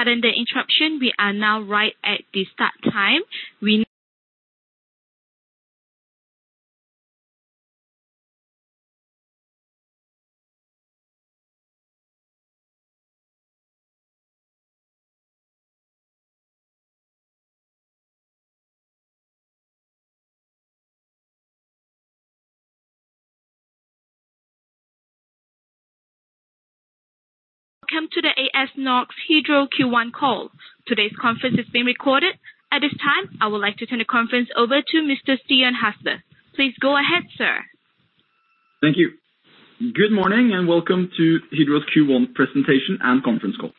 Pardon the interruption. We are now right at the start time. Welcome to the AS Norsk Hydro Q1 Call. Today's conference is being recorded. At this time, I would like to turn the conference over to Mr. Stian Hasle. Please go ahead, Sir. Thank you. Good morning, and welcome to Hydro's Q1 presentation and conference call.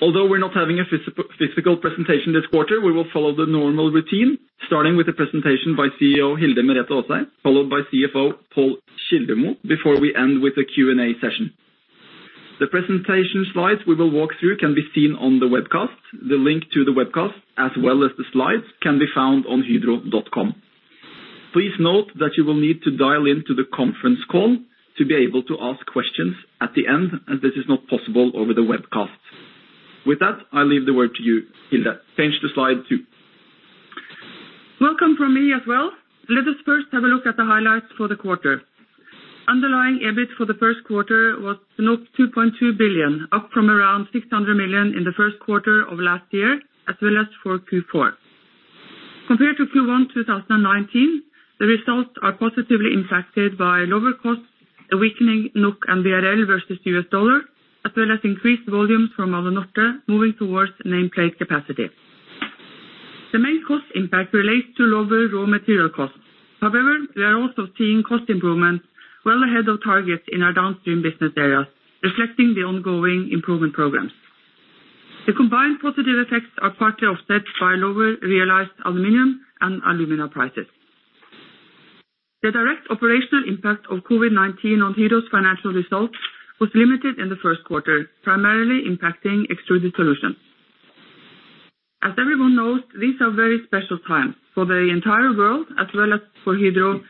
Although we're not having a physical presentation this quarter, we will follow the normal routine, starting with a presentation by CEO Hilde Merete Aasheim, followed by CFO Pål Kildemo, before we end with a Q&A session. The presentation slides we will walk through can be seen on the webcast. The link to the webcast, as well as the slides, can be found on hydro.com. Please note that you will need to dial into the conference call to be able to ask questions at the end, and this is not possible over the webcast. With that, I leave the word to you, Hilde. Change to slide two. Welcome from me as well. Let us first have a look at the highlights for the quarter. Underlying EBIT for the first quarter was 2.2 billion, up from around 600 million in the first quarter of last year, as well as for Q4. Compared to Q1 2019, the results are positively impacted by lower costs, a weakening NOK and BRL versus U.S. dollar, as well as increased volumes from Alunorte moving towards nameplate capacity. The main cost impact relates to lower raw material costs. However, we are also seeing cost improvements well ahead of targets in our downstream business areas, reflecting the ongoing improvement programs. The combined positive effects are partly offset by lower realized aluminum and alumina prices. The direct operational impact of COVID-19 on Hydro's financial results was limited in the first quarter, primarily impacting Extruded Solutions. As everyone knows, these are very special times for the entire world as well as for Hydro.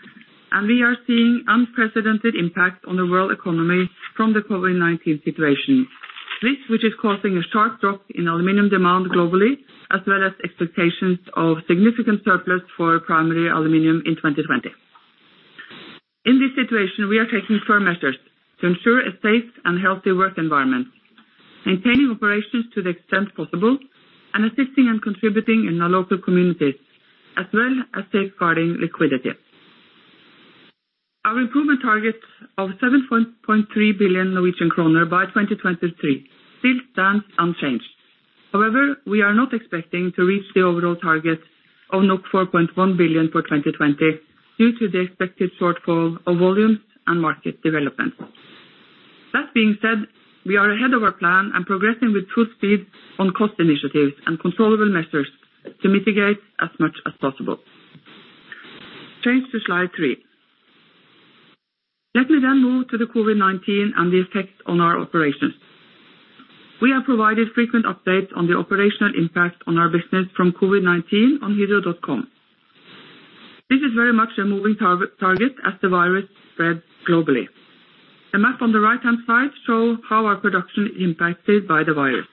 We are seeing unprecedented impact on the world economy from the COVID-19 situation, which is causing a sharp drop in aluminum demand globally, as well as expectations of significant surplus for primary aluminum in 2020. In this situation, we are taking firm measures to ensure a safe and healthy work environment, maintaining operations to the extent possible, and assisting and contributing in our local communities, as well as safeguarding liquidity. Our improvement targets of 7.3 billion Norwegian kroner by 2023 still stands unchanged. However, we are not expecting to reach the overall target of 4.1 billion for 2020 due to the expected shortfall of volumes and market development. That being said, we are ahead of our plan and progressing with full speed on cost initiatives and controllable measures to mitigate as much as possible. Change to slide three. Let me move to the COVID-19 and the effect on our operations. We have provided frequent updates on the operational impact on our business from COVID-19 on hydro.com. This is very much a moving target as the virus spreads globally. The map on the right-hand side show how our production is impacted by the virus.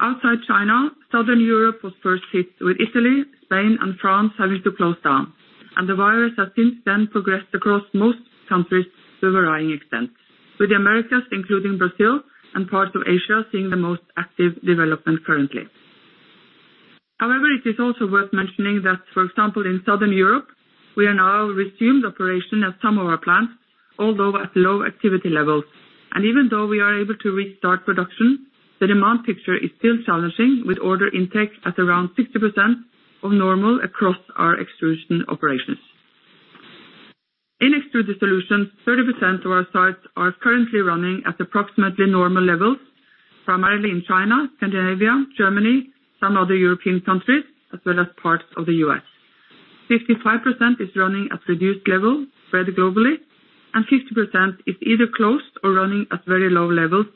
Outside China, Southern Europe was first hit, with Italy, Spain, and France having to close down, and the virus has since then progressed across most countries to varying extents, with the Americas, including Brazil and parts of Asia, seeing the most active development currently. However, it is also worth mentioning that, for example, in Southern Europe, we have now resumed operation at some of our plants, although at low activity levels. Even though we are able to restart production, the demand picture is still challenging, with order intake at around 60% of normal across our extrusion operations. In Extruded Solutions, 30% of our sites are currently running at approximately normal levels, primarily in China, Scandinavia, Germany, some other European countries, as well as parts of the U.S. 55% is running at reduced level spread globally, and 50% is either closed or running at very low levels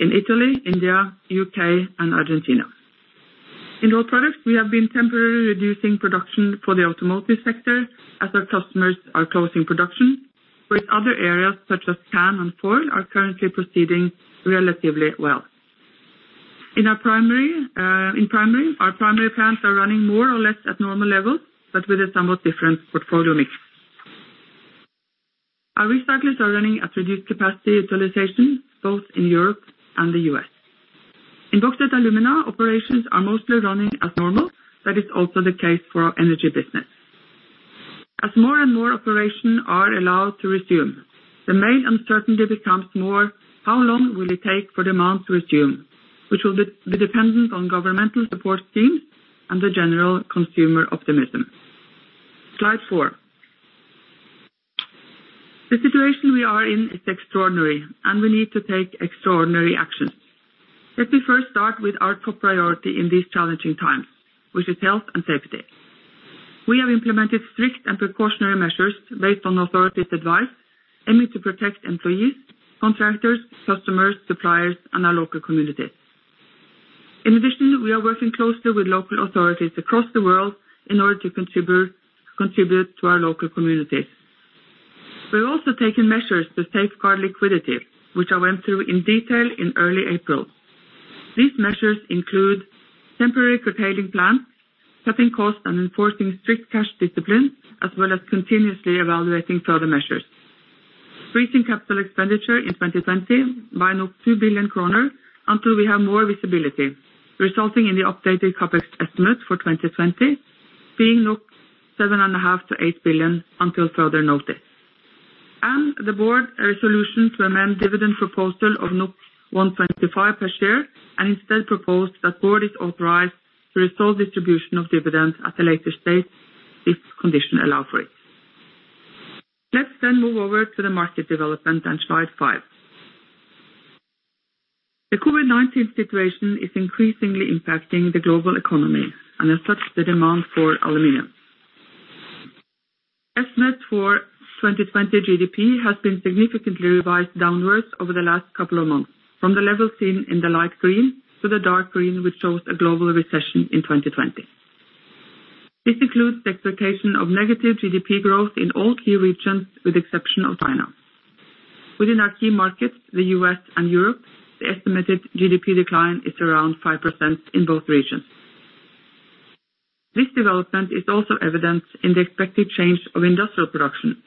in Italy, India, U.K., and Argentina. In raw materials, we have been temporarily reducing production for the automotive sector as our customers are closing production, with other areas such as can and foil are currently proceeding relatively well. In Primary, our primary plants are running more or less at normal levels, but with a somewhat different portfolio mix. Our recyclers are running at reduced capacity utilization both in Europe and the U.S. In Bauxite & Alumina, operations are mostly running as normal. That is also the case for our energy business. As more and more operations are allowed to resume, the main uncertainty becomes more how long will it take for demand to resume, which will be dependent on governmental support schemes and the general consumer optimism. Slide four. The situation we are in is extraordinary, and we need to take extraordinary actions. Let me first start with our top priority in these challenging times, which is health and safety. We have implemented strict and precautionary measures based on authorities' advice, aiming to protect employees, contractors, customers, suppliers, and our local communities. In addition, we are working closely with local authorities across the world in order to contribute to our local communities. We're also taking measures to safeguard liquidity, which I went through in detail in early April. These measures include temporary curtailing plants, cutting costs, and enforcing strict cash discipline, as well as continuously evaluating further measures. Freezing capital expenditure in 2020 by 2 billion kroner until we have more visibility, resulting in the updated CapEx estimate for 2020 being 7.5 billion-8 billion until further notice. The board resolution to amend dividend proposal of 1.25 per share and instead propose that board is authorized to restore distribution of dividends at a later date if conditions allow for it. Let's then move over to the market development on slide five. The COVID-19 situation is increasingly impacting the global economy, and as such, the demand for aluminum. Estimate for 2020 GDP has been significantly revised downward over the last couple of months, from the level seen in the light green to the dark green, which shows a global recession in 2020. This includes the expectation of negative GDP growth in all key regions, with exception of China. Within our key markets, the U.S. and Europe, the estimated GDP decline is around 5% in both regions. This development is also evident in the expected change of industrial production.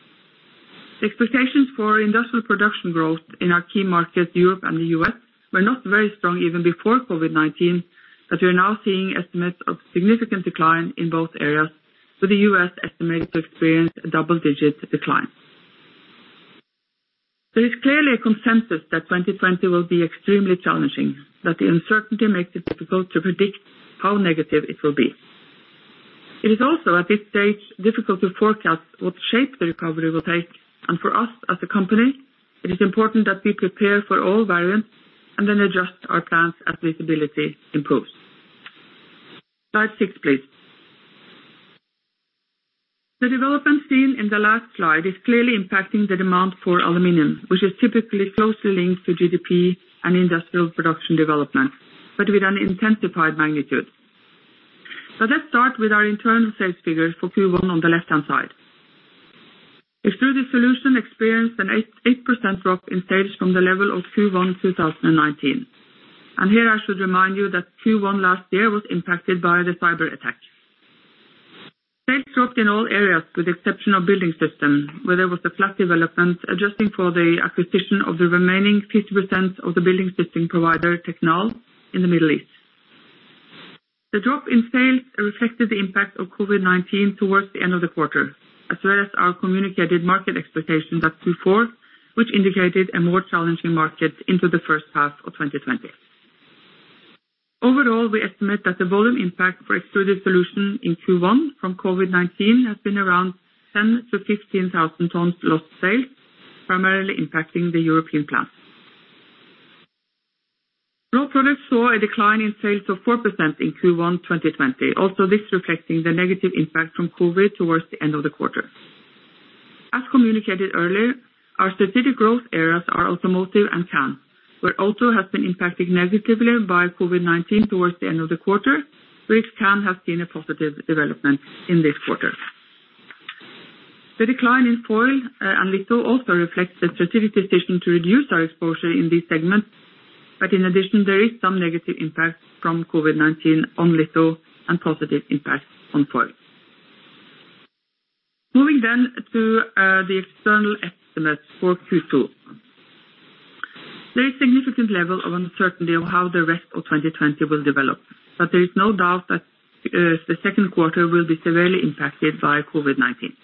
The expectations for industrial production growth in our key markets, Europe and the U.S., were not very strong even before COVID-19, but we are now seeing estimates of significant decline in both areas, with the U.S. estimated to experience a double-digit decline. There is clearly a consensus that 2020 will be extremely challenging, but the uncertainty makes it difficult to predict how negative it will be. It is also, at this stage, difficult to forecast what shape the recovery will take, and for us as a company, it is important that we prepare for all variants and then adjust our plans as visibility improves. Slide six, please. The development seen in the last slide is clearly impacting the demand for aluminum, which is typically closely linked to GDP and industrial production development, but with an intensified magnitude. Let's start with our internal sales figures for Q1 on the left-hand side. Extruded Solutions experienced an 8% drop in sales from the level of Q1 2019. Here I should remind you that Q1 last year was impacted by the cyber attack. Sales dropped in all areas, with the exception of building systems, where there was a flat development, adjusting for the acquisition of the remaining 50% of the building system provider, Technal, in the Middle East. The drop in sales reflected the impact of COVID-19 towards the end of the quarter, as well as our communicated market expectation at Q4, which indicated a more challenging market into the first half of 2020. Overall, we estimate that the volume impact for Extruded Solutions in Q1 from COVID-19 has been around 10,000 tons-15,000 tons lost sales, primarily impacting the European plants. Rolled Products saw a decline in sales of 4% in Q1 2020, also this reflecting the negative impact from COVID towards the end of the quarter. As communicated earlier, our strategic growth areas are automotive and can, where auto has been impacted negatively by COVID-19 towards the end of the quarter, whereas can has seen a positive development in this quarter. The decline in foil and litho also reflects the strategic decision to reduce our exposure in these segments, but in addition, there is some negative impact from COVID-19 on litho and positive impact on foil. Moving to the external estimates for Q2. There is significant level of uncertainty of how the rest of 2020 will develop, but there is no doubt that the second quarter will be severely impacted by COVID-19.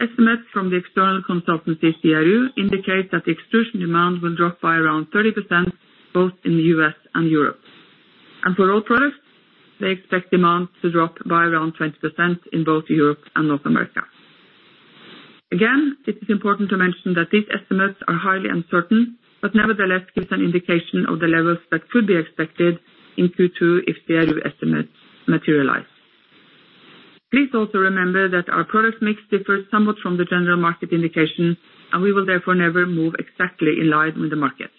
Estimates from the external consultancy, CRU, indicate that extrusion demand will drop by around 30%, both in the U.S. and Europe. For Rolled Products, they expect demand to drop by around 20% in both Europe and North America. Again, it is important to mention that these estimates are highly uncertain, but nevertheless gives an indication of the levels that could be expected in Q2 if CRU estimates materialize. Please also remember that our product mix differs somewhat from the general market indication, and we will therefore never move exactly in line with the market.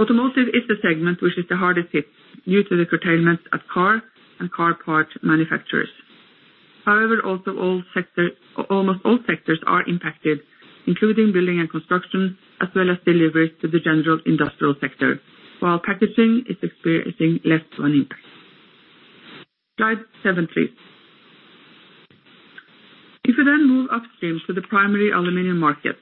Automotive is the segment which is the hardest hit due to the curtailment of car and car part manufacturers. However, almost all sectors are impacted, including building and construction, as well as deliveries to the general industrial sector, while packaging is experiencing less of an impact. Slide seven, please. If we then move upstream to the primary aluminum market,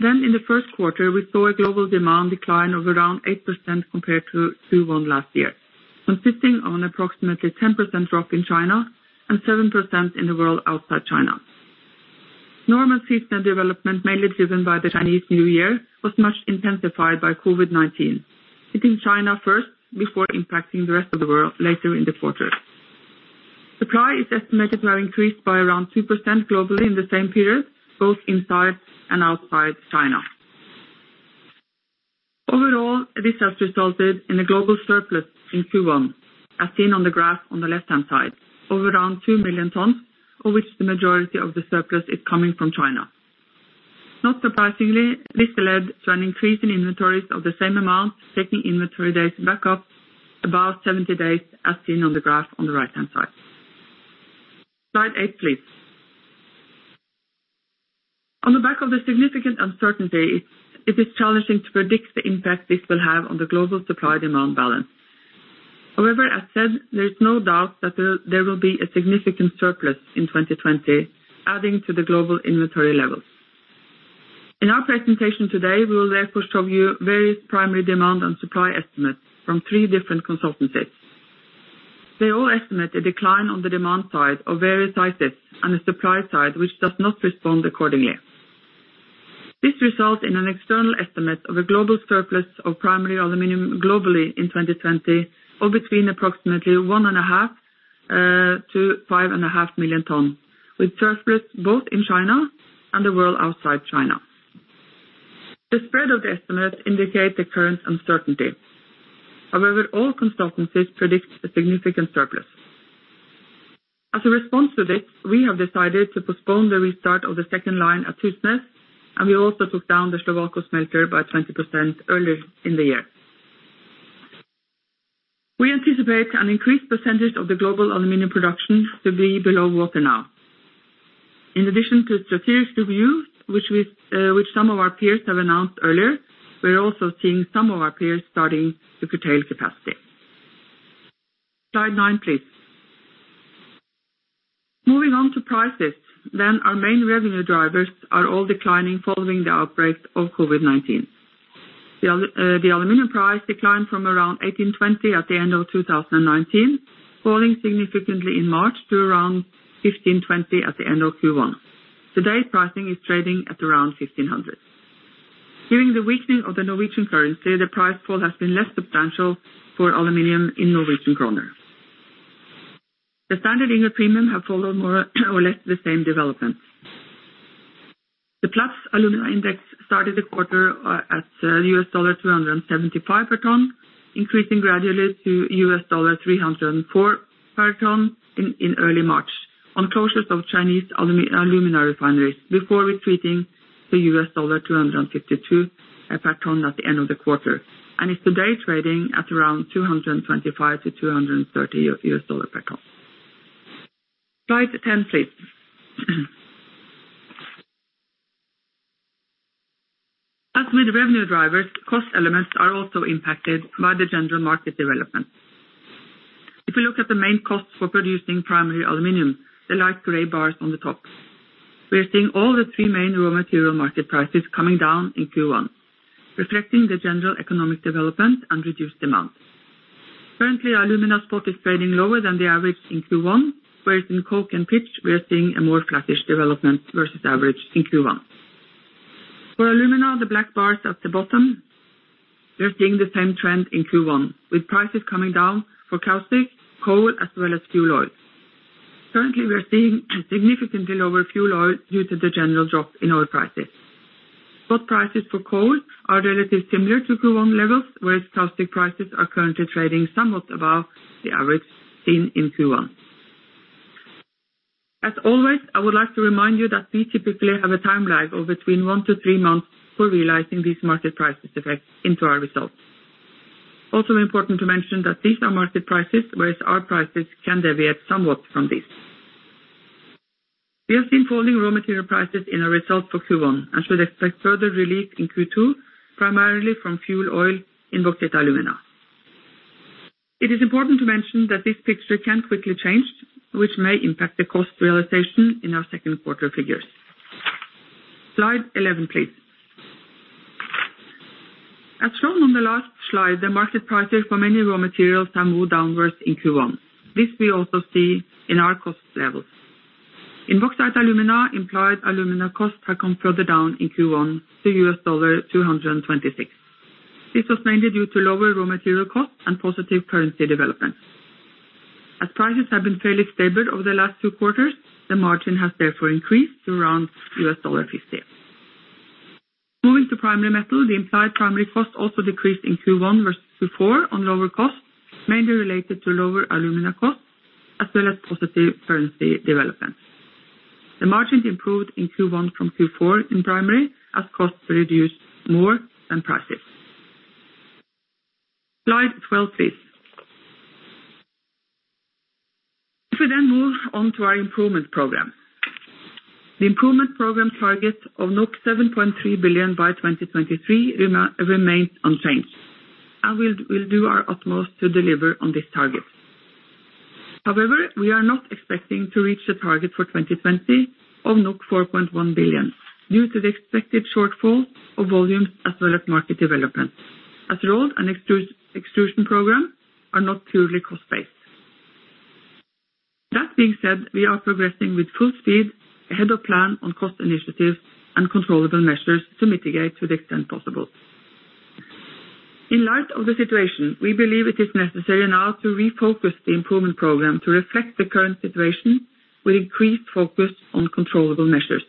in the first quarter, we saw a global demand decline of around 8% compared to Q1 last year, consisting of an approximately 10% drop in China and 7% in the world outside China. Normal seasonal development, mainly driven by the Chinese New Year, was much intensified by COVID-19, hitting China first before impacting the rest of the world later in the quarter. Supply is estimated to have increased by around 2% globally in the same period, both inside and outside China. Overall, this has resulted in a global surplus in Q1, as seen on the graph on the left-hand side, of around 2 million tons, of which the majority of the surplus is coming from China. Not surprisingly, this led to an increase in inventories of the same amount, taking inventory days back up above 70 days, as seen on the graph on the right-hand side. Slide eight, please. On the back of the significant uncertainty, it is challenging to predict the impact this will have on the global supply-demand balance. However, as said, there is no doubt that there will be a significant surplus in 2020, adding to the global inventory levels. In our presentation today, we will therefore show you various primary demand and supply estimates from three different consultancies. They all estimate a decline on the demand side of various sizes and a supply side which does not respond accordingly. This results in an external estimate of a global surplus of primary aluminum globally in 2020 of between approximately 1.5 million tons-5.5 million tons, with surplus both in China and the world outside China. The spread of the estimates indicates the current uncertainty. However, all consultancies predict a significant surplus. As a response to this, we have decided to postpone the restart of the second line at Husnes, and we also took down the Slovalco smelter by 20% earlier in the year. We anticipate an increased percentage of the global aluminum production to be below water now. In addition to strategic reviews which some of our peers have announced earlier, we are also seeing some of our peers starting to curtail capacity. Slide nine, please. Moving on to prices, our main revenue drivers are all declining following the outbreak of COVID-19. The aluminum price declined from around 1,820 at the end of 2019, falling significantly in March to around 1,520 at the end of Q1. Today's pricing is trading at around 1,500. During the weakening of the Norwegian currency, the price fall has been less substantial for aluminum in Norwegian kroner. The standard ingots premium have followed more or less the same development. The Platts alumina index started the quarter at $275 per ton, increasing gradually to $304 per ton in early March on closures of Chinese alumina refineries, before retreating to $252 per ton at the end of the quarter. Is today trading at around $225-$230 per ton. Slide 10, please. As with revenue drivers, cost elements are also impacted by the general market development. If you look at the main costs for producing primary aluminum, the light gray bars on the top, we are seeing all the three main raw material market prices coming down in Q1, reflecting the general economic development and reduced demand. Currently, alumina spot is trading lower than the average in Q1, whereas in coke and pitch, we are seeing a more flattish development versus average in Q1. For alumina, the black bars at the bottom, we are seeing the same trend in Q1, with prices coming down for caustic, coal, as well as fuel oil. Currently, we are seeing significantly lower fuel oil due to the general drop in oil prices. Spot prices for coal are relatively similar to Q1 levels, whereas caustic prices are currently trading somewhat above the average seen in Q1. As always, I would like to remind you that we typically have a time lag of between one to three months for realizing these market prices effects into our results. Also important to mention that these are market prices, whereas our prices can deviate somewhat from these. We have seen falling raw material prices in our result for Q1 and should expect further relief in Q2, primarily from fuel oil in bauxite alumina. It is important to mention that this picture can quickly change, which may impact the cost realization in our second quarter figures. Slide 11, please. As shown on the last slide, the market prices for many raw materials have moved downwards in Q1. This we also see in our cost levels. In Bauxite & Alumina, implied alumina costs have come further down in Q1 to $226. This was mainly due to lower raw material costs and positive currency developments. As prices have been fairly stable over the last two quarters, the margin has therefore increased to around $50. Moving to Aluminium Metal, the implied primary cost also decreased in Q1 versus Q4 on lower costs, mainly related to lower alumina costs, as well as positive currency developments. The margins improved in Q1 from Q4 in primary, as costs reduced more than prices. Slide 12, please. If we move on to our Improvement Program. The Improvement Program targets of 7.3 billion by 2023 remains unchanged. We'll do our utmost to deliver on this target. However, we are not expecting to reach the target for 2020 of 4.1 billion due to the expected shortfall of volumes as well as market development, as Rolled and Extrusion programs are not purely cost-based. That being said, we are progressing with full speed ahead of plan on cost initiatives and controllable measures to mitigate to the extent possible. In light of the situation, we believe it is necessary now to refocus the Improvement Program to reflect the current situation with increased focus on controllable measures.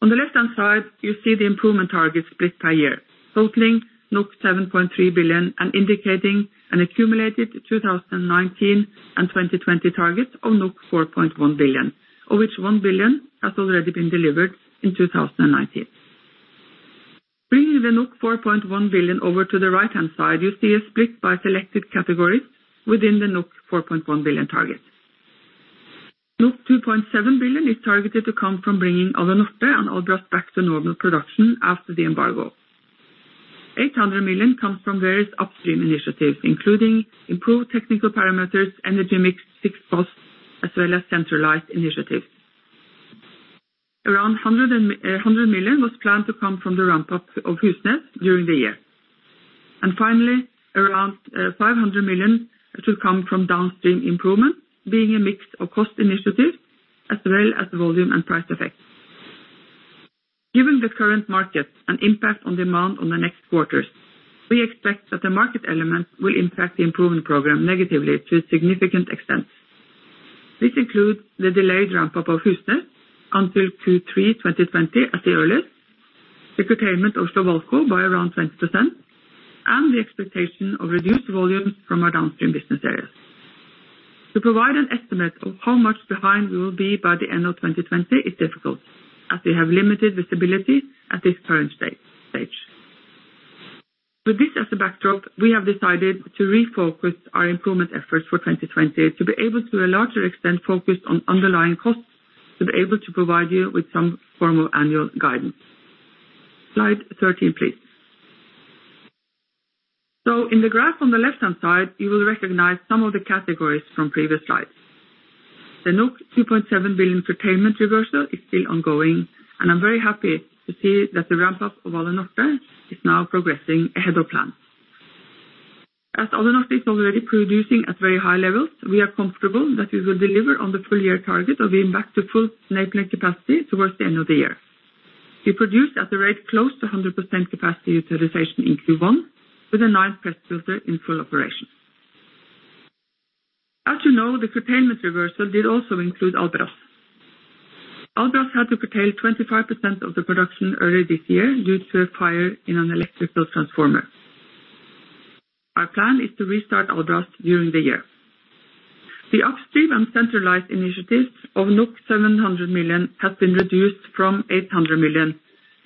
On the left-hand side, you see the improvement targets split per year, totaling 7.3 billion and indicating an accumulated 2019 and 2020 target of 4.1 billion, of which 1 billion has already been delivered in 2019. Bringing the 4.1 billion over to the right-hand side, you see a split by selected categories within the 4.1 billion target. 2.7 billion is targeted to come from bringing Alunorte and Albras back to normal production after the embargo. 800 million comes from various upstream initiatives, including improved technical parameters, energy mix, fixed costs, as well as centralized initiatives. Around 100 million was planned to come from the ramp-up of Husnes during the year. Finally, around 500 million should come from downstream improvements, being a mix of cost initiatives as well as volume and price effects. Given the current market and impact on demand on the next quarters, we expect that the market elements will impact the improvement program negatively to a significant extent. This includes the delayed ramp-up of Husnes until Q3 2020 at the earliest, the curtailment of Slovalco by around 20%, and the expectation of reduced volumes from our downstream business areas. To provide an estimate of how much behind we will be by the end of 2020 is difficult, as we have limited visibility at this current stage. With this as a backdrop, we have decided to refocus our improvement efforts for 2020 to be able to, a larger extent, focus on underlying costs to be able to provide you with some form of annual guidance. Slide 13, please. In the graph on the left-hand side, you will recognize some of the categories from previous slides. The 2.7 billion curtailment reversal is still ongoing, and I'm very happy to see that the ramp-up of Alunorte is now progressing ahead of plan. As Alunorte is already producing at very high levels, we are comfortable that we will deliver on the full-year target of being back to full nameplate capacity towards the end of the year. We produced at the rate close to 100% capacity utilization in Q1 with the ninth press filter in full operation. As you know, the curtailment reversal did also include Albras. Albras had to curtail 25% of the production early this year due to a fire in an electrical transformer. Our plan is to restart Albras during the year. The upstream and centralized initiatives of 700 million has been reduced from 800 million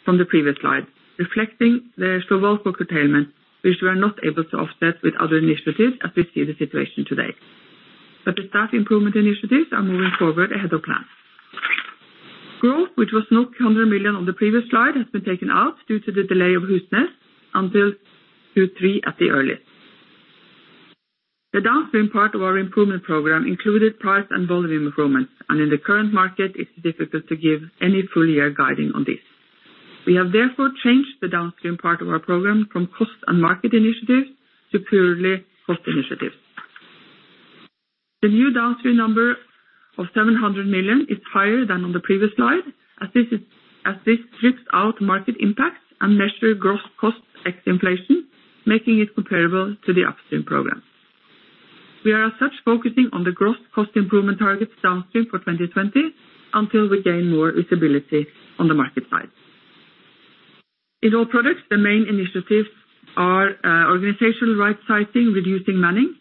from the previous slide, reflecting the Slovalco curtailment, which we are not able to offset with other initiatives as we see the situation today. The staff improvement initiatives are moving forward ahead of plan. Growth, which was 100 million on the previous slide, has been taken out due to the delay of Husnes until Q3 at the earliest. The downstream part of our improvement program included price and volume improvements, in the current market, it's difficult to give any full-year guiding on this. We have therefore changed the downstream part of our program from cost and market initiatives to purely cost initiatives. The new downstream number of 700 million is higher than on the previous slide, as this strips out market impacts and measure gross costs ex inflation, making it comparable to the upstream program. We are as such focusing on the gross cost improvement target downstream for 2020 until we gain more visibility on the market side. In all products, the main initiatives are organizational rightsizing, reducing manning,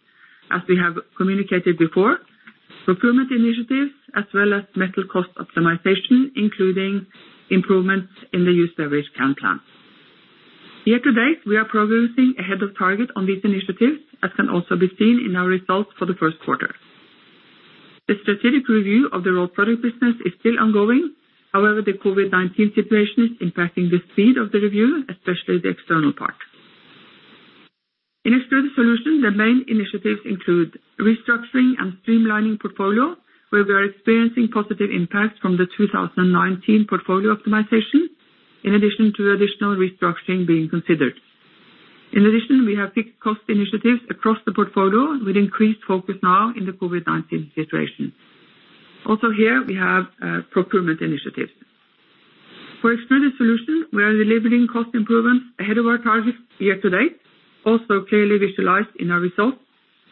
as we have communicated before, procurement initiatives, as well as metal cost optimization, including improvements in the use of waste can plants. Year to date, we are progressing ahead of target on these initiatives, as can also be seen in our results for the first quarter. The strategic review of the Rolled Products business is still ongoing. The COVID-19 situation is impacting the speed of the review, especially the external part. In Extruded Solutions, the main initiatives include restructuring and streamlining portfolio, where we are experiencing positive impacts from the 2019 portfolio optimization, in addition to additional restructuring being considered. In addition, we have fixed cost initiatives across the portfolio with increased focus now in the COVID-19 situation. Also here, we have procurement initiatives. For Extruded Solutions, we are delivering cost improvements ahead of our targets year to date, also clearly visualized in our results,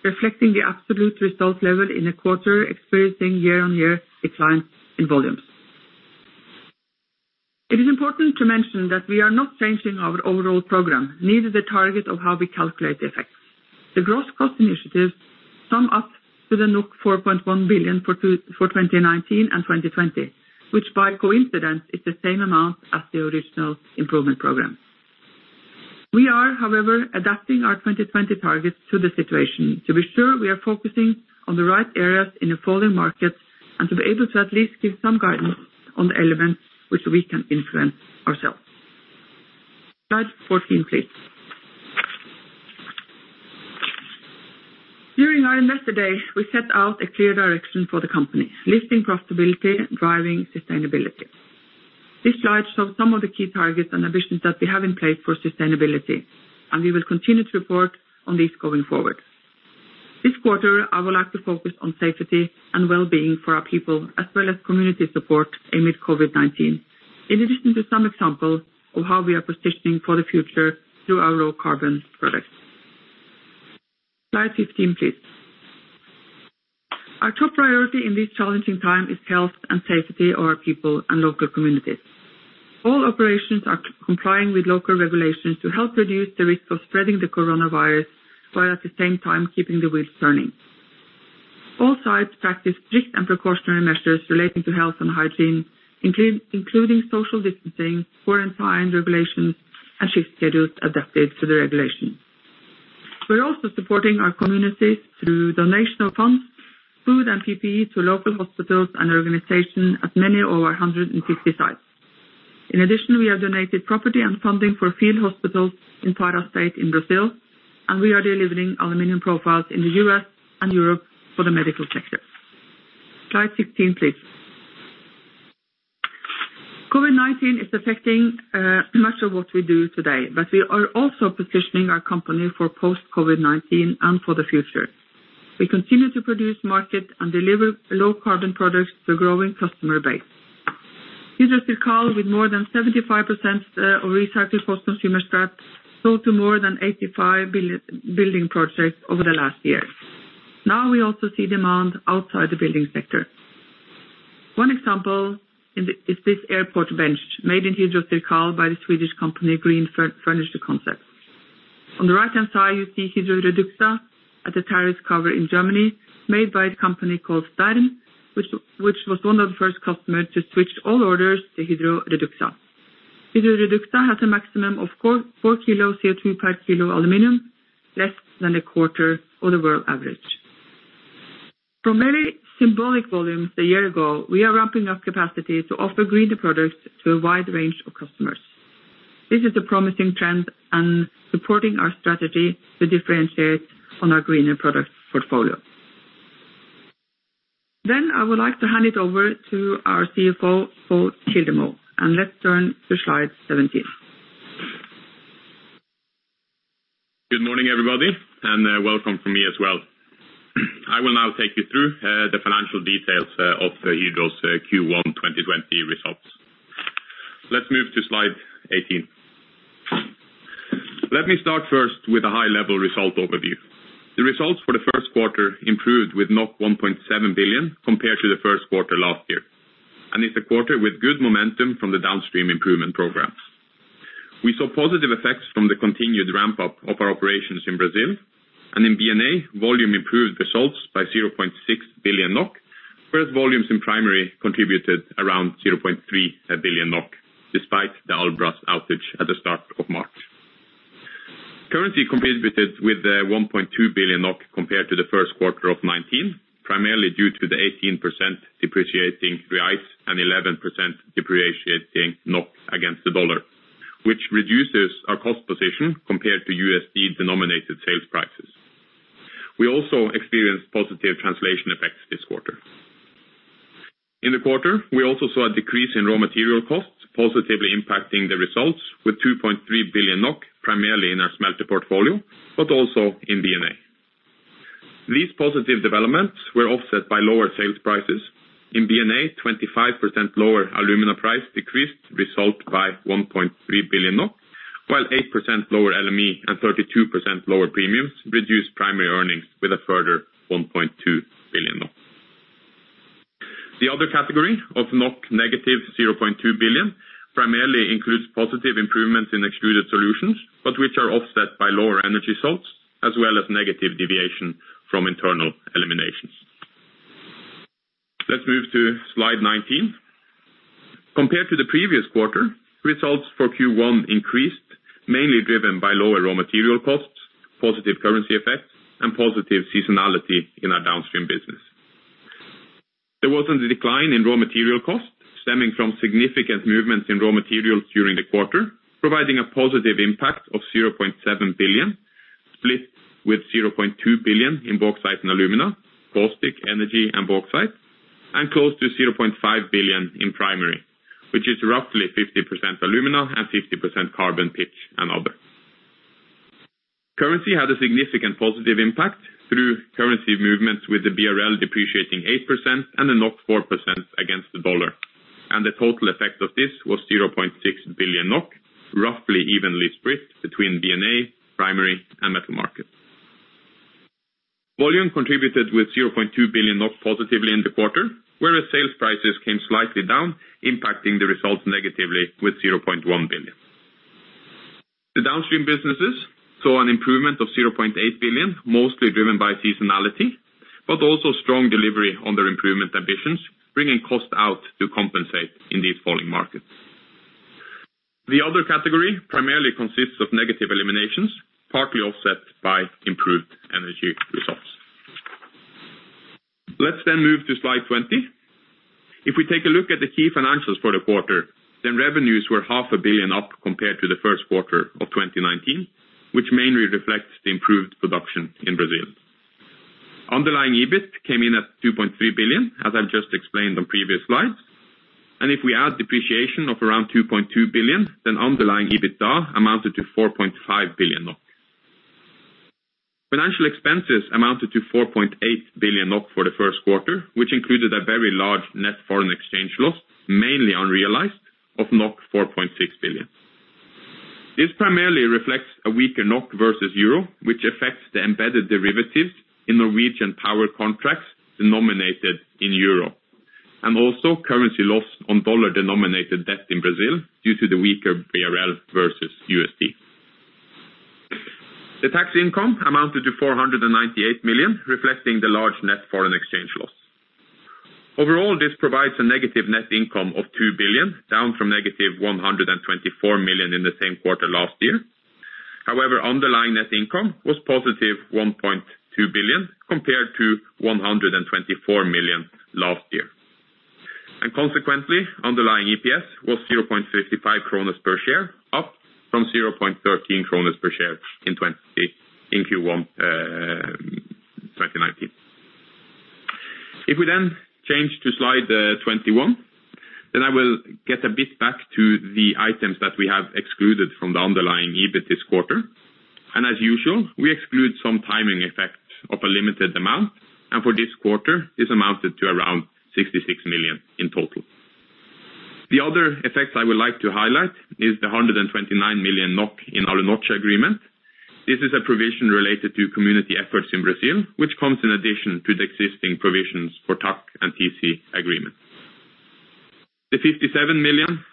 reflecting the absolute results level in a quarter experiencing year-on-year decline in volumes. It is important to mention that we are not changing our overall program, neither the target of how we calculate the effects. The gross cost initiatives sum up to the 4.1 billion for 2019 and 2020, which by coincidence is the same amount as the original improvement program. We are, however, adapting our 2020 targets to the situation to be sure we are focusing on the right areas in a falling market and to be able to at least give some guidance on the elements which we can influence ourselves. Slide 14, please. During our Investor Day, we set out a clear direction for the company, lifting profitability, driving sustainability. This slide shows some of the key targets and ambitions that we have in place for sustainability, and we will continue to report on these going forward. This quarter, I would like to focus on safety and well-being for our people, as well as community support amid COVID-19, in addition to some examples of how we are positioning for the future through our low-carbon products. Slide 15, please. Our top priority in this challenging time is health and safety of our people and local communities. All operations are complying with local regulations to help reduce the risk of spreading the coronavirus while at the same time keeping the wheels turning. All sites practice strict and precautionary measures relating to health and hygiene, including social distancing, quarantine regulations, and shift schedules adapted to the regulations. We're also supporting our communities through donation of funds, food, and PPE to local hospitals and organizations at many over 150 sites. In addition, we have donated property and funding for field hospitals in Pará State in Brazil, and we are delivering aluminum profiles in the U.S. and Europe for the medical sector. Slide 16, please. COVID-19 is affecting much of what we do today. We are also positioning our company for post-COVID-19 and for the future. We continue to produce market and deliver low-carbon products to a growing customer base. Hydro CIRCAL, with more than 75% of recycled post-consumer scrap, sold to more than 85 building projects over the last year. Now, we also see demand outside the building sector. One example is this airport bench made in Hydro CIRCAL by the Swedish company Green Furniture Concept. On the right-hand side, you see Hydro REDUXA at a terrace cover in Germany made by a company called [Starm], which was one of the first customers to switch all orders to Hydro REDUXA. Hydro REDUXA has a maximum of 4 kg CO2 per kilo aluminum, less than a quarter of the world average. From very symbolic volumes a year ago, we are ramping up capacity to offer greener products to a wide range of customers. This is a promising trend and supporting our strategy to differentiate on our greener product portfolio. I would like to hand it over to our CFO, Pål Kildemo, and let's turn to slide 17. Good morning, everybody, and welcome from me as well. I will now take you through the financial details of Hydro's Q1 2020 results. Let's move to slide 18. Let me start first with a high-level result overview. The results for the first quarter improved with 1.7 billion compared to the first quarter last year. It's a quarter with good momentum from the downstream improvement programs. We saw positive effects from the continued ramp-up of our operations in Brazil. In BNA, volume improved results by 0.6 billion NOK, whereas volumes in primary contributed around 0.3 billion NOK, despite the Albras outage at the start of March. Currency contributed with 1.2 billion NOK compared to the first quarter of 2019, primarily due to the 18% depreciating BRL and 11% depreciating NOK against the dollar, which reduces our cost position compared to U.S.D-denominated sales prices. We also experienced positive translation effects this quarter. In the quarter, we also saw a decrease in raw material costs positively impacting the results with 2.3 billion NOK, primarily in our smelter portfolio, but also in BNA. These positive developments were offset by lower sales prices. In BNA, 25% lower alumina price decreased result by 1.3 billion NOK, while 8% lower LME and 32% lower premiums reduced primary earnings with a further 1.2 billion. The other category of -0.2 billion primarily includes positive improvements in Hydro Extruded Solutions, but which are offset by lower energy results, as well as negative deviation from internal eliminations. Let's move to slide 19. Compared to the previous quarter, results for Q1 increased, mainly driven by lower raw material costs, positive currency effects, and positive seasonality in our downstream business. There was a decline in raw material costs stemming from significant movements in raw materials during the quarter, providing a positive impact of 0.7 billion, split with 0.2 billion in bauxite and alumina, caustic, energy and bauxite, and close to 0.5 billion in primary, which is roughly 50% alumina and 50% carbon, pitch, and other. Currency had a significant positive impact through currency movements with the BRL depreciating 8% and the NOK 4% against the dollar, and the total effect of this was 0.6 billion NOK, roughly evenly split between BNA, primary, and Metal Markets. Volume contributed with 0.2 billion NOK positively in the quarter, whereas sales prices came slightly down, impacting the results negatively with 0.1 billion. The downstream businesses saw an improvement of 0.8 billion, mostly driven by seasonality, but also strong delivery on their improvement ambitions, bringing costs out to compensate in these falling markets. The other category primarily consists of negative eliminations, partly offset by improved energy results. Let's move to slide 20. If we take a look at the key financials for the quarter, then revenues were 1/2 a billion up compared to the first quarter of 2019, which mainly reflects the improved production in Brazil. Underlying EBIT came in at 2.3 billion, as I've just explained on previous slides. If we add depreciation of around 2.2 billion, then underlying EBITDA amounted to 4.5 billion NOK. Financial expenses amounted to 4.8 billion NOK for the first quarter, which included a very large net foreign exchange loss, mainly unrealized, of 4.6 billion. This primarily reflects a weaker NOK versus euro, which affects the embedded derivatives in Norwegian power contracts denominated in euro, and also currency loss on dollar-denominated debt in Brazil due to the weaker BRL versus U.S.D. The tax income amounted to 498 million, reflecting the large net foreign exchange loss. Overall, this provides a negative net income of 2 billion, down from negative 124 million in the same quarter last year. However, underlying net income was +1.2 billion compared to 124 million last year. Consequently, underlying EPS was 0.55 per share, up from 0.13 per share in Q1 2019. If we then change to slide 21, I will get a bit back to the items that we have excluded from the underlying EBIT this quarter. As usual, we exclude some timing effect of a limited amount, and for this quarter, this amounted to around 66 million in total. The other effect I would like to highlight is the 129 million NOK in Alunorte agreement. This is a provision related to community efforts in Brazil, which comes in addition to the existing provisions for TAC and TC agreement. The 57 million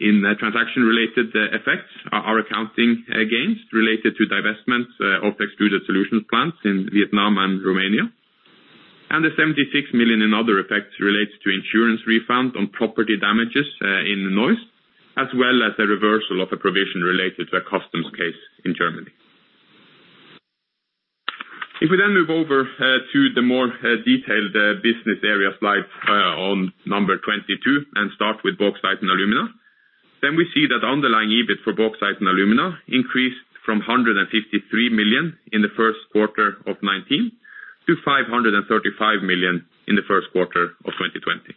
in transaction related effects are accounting gains related to divestments of Extruded Solutions plants in Vietnam and Romania. The 76 million in other effects relates to insurance refunds on property damages in Neuss, as well as a reversal of a provision related to a customs case in Germany. If we then move over to the more detailed Business Area slides on number 22 and start with Bauxite & Alumina, then we see that underlying EBIT for Bauxite & Alumina increased from 153 million in the first quarter of 2019 to 535 million in the first quarter of 2020.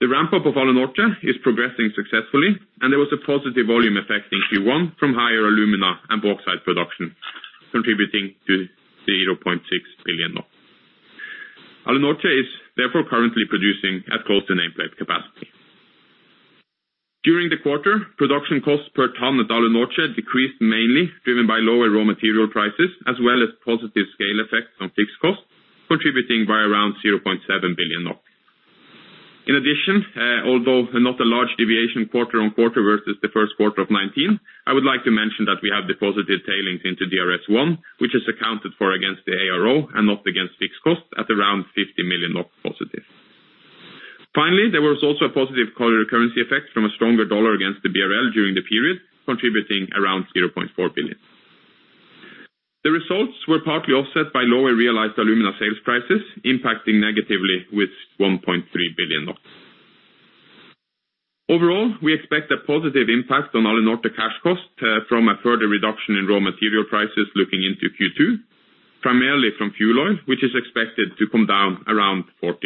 The ramp-up of Alunorte is progressing successfully, and there was a positive volume effect in Q1 from higher alumina and bauxite production, contributing to 0.6 billion. Alunorte is therefore currently producing at close to nameplate capacity. During the quarter, production costs per ton at Alunorte decreased, mainly driven by lower raw material prices, as well as positive scale effects on fixed costs, contributing by around 0.7 billion NOK. In addition, although not a large deviation quarter-on-quarter versus the first quarter of 2019, I would like to mention that we have the positive tailings into DRS1, which is accounted for against the ARO and not against fixed cost at around 50 million NOK+. Finally, there was also a positive currency effect from a stronger dollar against the BRL during the period, contributing around 0.4 billion. The results were partly offset by lower realized alumina sales prices, impacting negatively with NOK 1.3 billion. Overall, we expect a positive impact on Alunorte cash cost from a further reduction in raw material prices looking into Q2, primarily from fuel oil, which is expected to come down around 40%.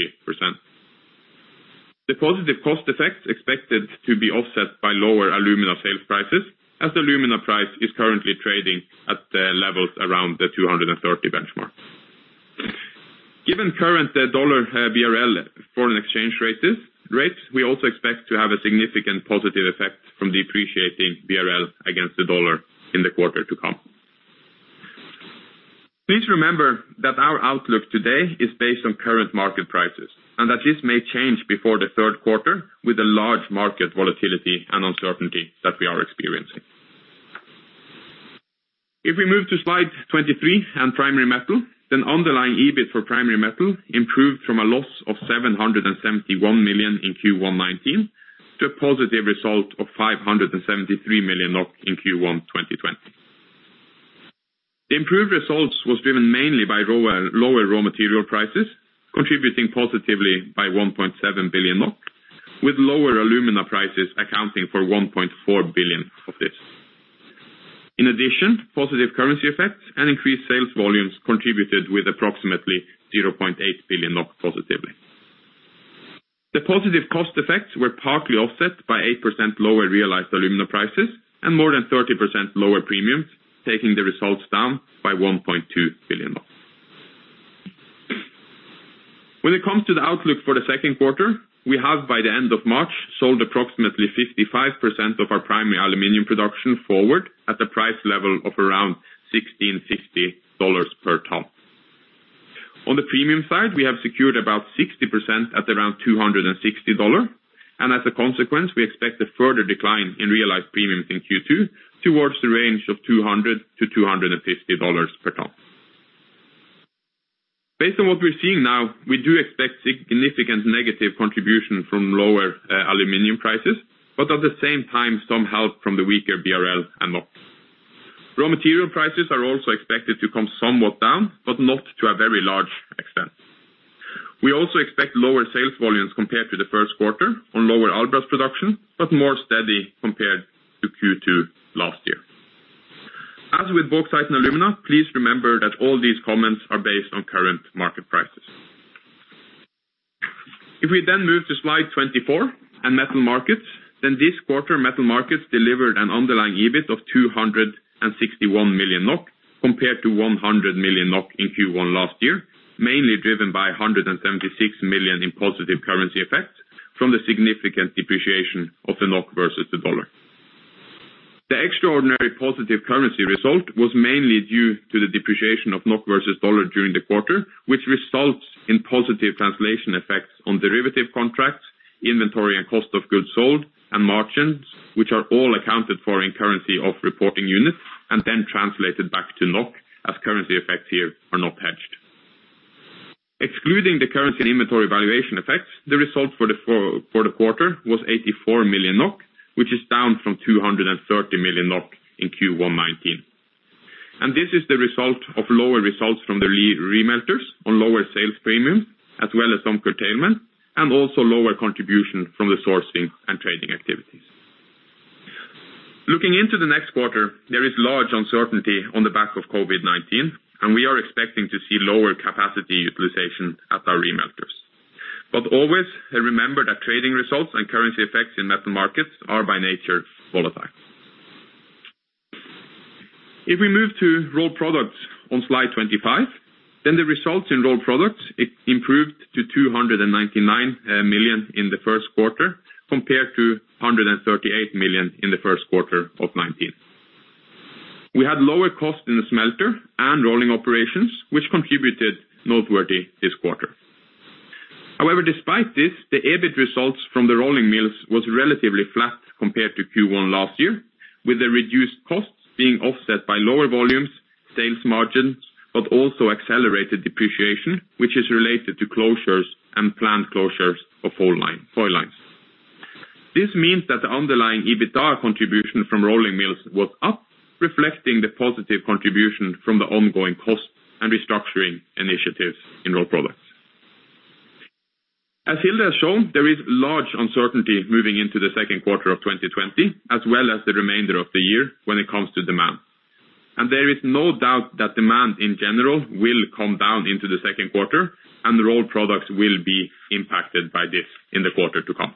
The positive cost effect expected to be offset by lower alumina sales prices as alumina price is currently trading at levels around the 230 benchmarks. Given current USD BRL foreign exchange rates, we also expect to have a significant positive effect from depreciating BRL against the dollar in the quarter to come. Please remember that our outlook today is based on current market prices, that this may change before the third quarter with a large market volatility and uncertainty that we are experiencing. If we move to slide 23 and Aluminium Metal, underlying EBIT for Aluminium Metal improved from a loss of 771 million in Q1 2019 to a positive result of 573 million in Q1 2020. The improved results was driven mainly by lower raw material prices, contributing positively by 1.7 billion NOK, with lower alumina prices accounting for 1.4 billion of this. In addition, positive currency effects and increased sales volumes contributed with approximately 0.8 billion NOK positively. The positive cost effects were partly offset by 8% lower realized alumina prices and more than 30% lower premiums, taking the results down by NOK 1.2 billion. When it comes to the outlook for the second quarter, we have by the end of March, sold approximately 55% of our primary aluminum production forward at a price level of around $1,650 per ton. On the premium side, we have secured about 60% at around $260, and as a consequence, we expect a further decline in realized premiums in Q2 towards the range of $200-$250 per ton. Based on what we're seeing now, we do expect significant negative contribution from lower aluminum prices, but at the same time, some help from the weaker BRL and NOK. Raw material prices are also expected to come somewhat down, but not to a very large extent. We also expect lower sales volumes compared to the first quarter on lower Albras production, but more steady compared to Q2 last year. As with bauxite and alumina, please remember that all these comments are based on current market prices. If we move to slide 24 and Metal Markets, this quarter, Metal Markets delivered an underlying EBIT of 261 million NOK compared to 100 million NOK in Q1 last year, mainly driven by 176 million in positive currency effects from the significant depreciation of the NOK versus the dollar. The extraordinary positive currency result was mainly due to the depreciation of NOK versus dollar during the quarter, which results in positive translation effects on derivative contracts, inventory and cost of goods sold and margins, which are all accounted for in currency of reporting units and then translated back to NOK, as currency effects here are not hedged. Excluding the currency inventory valuation effects, the result for the quarter was 84 million NOK, which is down from 230 million NOK in Q1 2019. This is the result of lower results from the remelters on lower sales premium, as well as some curtailment, and also lower contribution from the sourcing and trading activities. Looking into the next quarter, there is large uncertainty on the back of COVID-19. We are expecting to see lower capacity utilization at our remelters. Always remember that trading results and currency effects in Metal Markets are by nature volatile. If we move to Rolled Products on slide 25, the results in Rolled Products improved to 299 million in the first quarter, compared to 138 million in the first quarter of 2019. We had lower cost in the smelter and rolling operations, which contributed noteworthy this quarter. However, despite this, the EBIT results from the rolling mills was relatively flat compared to Q1 last year, with the reduced costs being offset by lower volumes, sales margins, but also accelerated depreciation, which is related to closures and plant closures of foil lines. This means that the underlying EBITDA contribution from rolling mills was up, reflecting the positive contribution from the ongoing cost and restructuring initiatives in Rolled Products. As Hilde has shown, there is large uncertainty moving into the second quarter of 2020, as well as the remainder of the year when it comes to demand. There is no doubt that demand in general will come down into the second quarter and Rolled Products will be impacted by this in the quarter to come.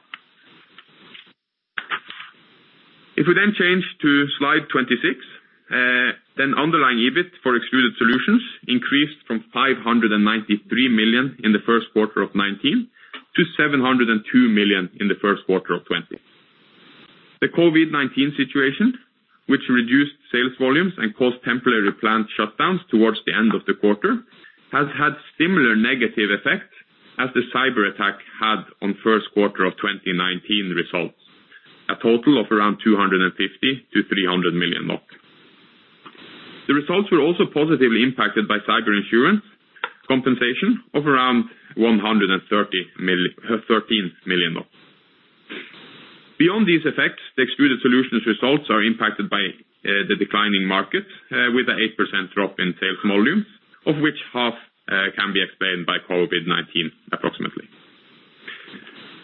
If we change to slide 26, underlying EBIT for Extruded Solutions increased from 593 million in the first quarter of 2019 to 702 million in the first quarter of 2020. The COVID-19 situation, which reduced sales volumes and caused temporary plant shutdowns towards the end of the quarter, has had similar negative effects as the cyberattack had on first quarter of 2019 results, a total of around 250 million-300 million NOK. The results were also positively impacted by cyber insurance compensation of around 113 million. Beyond these effects, the Extruded Solutions results are impacted by the declining market, with an 8% drop in sales volume, of which 1/2 can be explained by COVID-19 approximately.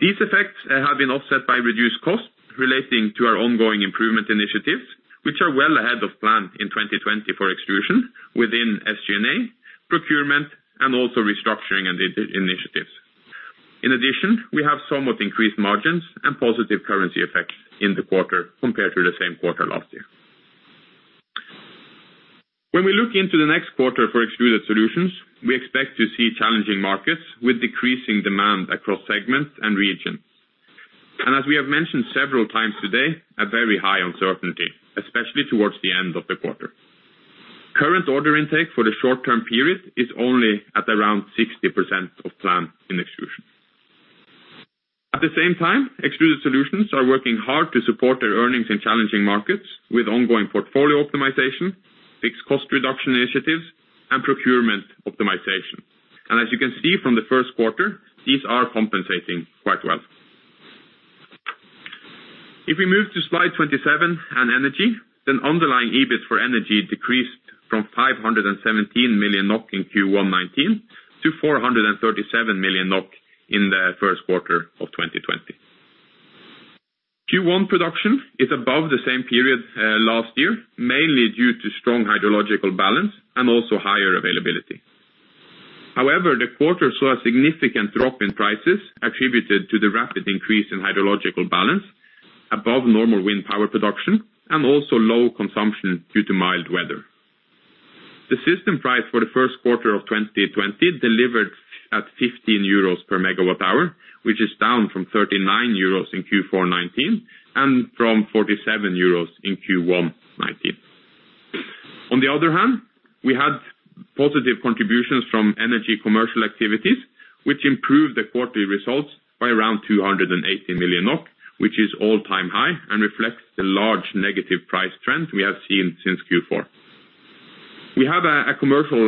These effects have been offset by reduced costs relating to our ongoing improvement initiatives, which are well ahead of plan in 2020 for Extrusion within SG&A, procurement, and also restructuring initiatives. In addition, we have somewhat increased margins and positive currency effects in the quarter compared to the same quarter last year. When we look into the next quarter for Extruded Solutions, we expect to see challenging markets with decreasing demand across segments and regions. As we have mentioned several times today, a very high uncertainty, especially towards the end of the quarter. Current order intake for the short-term period is only at around 60% of plan in Extrusion. At the same time, Extruded Solutions are working hard to support their earnings in challenging markets with ongoing portfolio optimization, fixed cost reduction initiatives, and procurement optimization. As you can see from the first quarter, these are compensating quite well. If we move to slide 27 and Energy, underlying EBIT for Energy decreased from 517 million NOK in Q1 2019 to 437 million NOK in the first quarter of 2020. Q1 production is above the same period last year, mainly due to strong hydrological balance and also higher availability. However, the quarter saw a significant drop in prices attributed to the rapid increase in hydrological balance above normal wind power production, and also low consumption due to mild weather. The system price for the first quarter of 2020 delivered at 15 euros per megawatt hour, which is down from 39 euros in Q4 2019, and from 47 euros in Q1 2019. On the other hand, we had positive contributions from energy commercial activities, which improved the quarterly results by around 280 million NOK, which is all-time high and reflects the large negative price trend we have seen since Q4. We have a commercial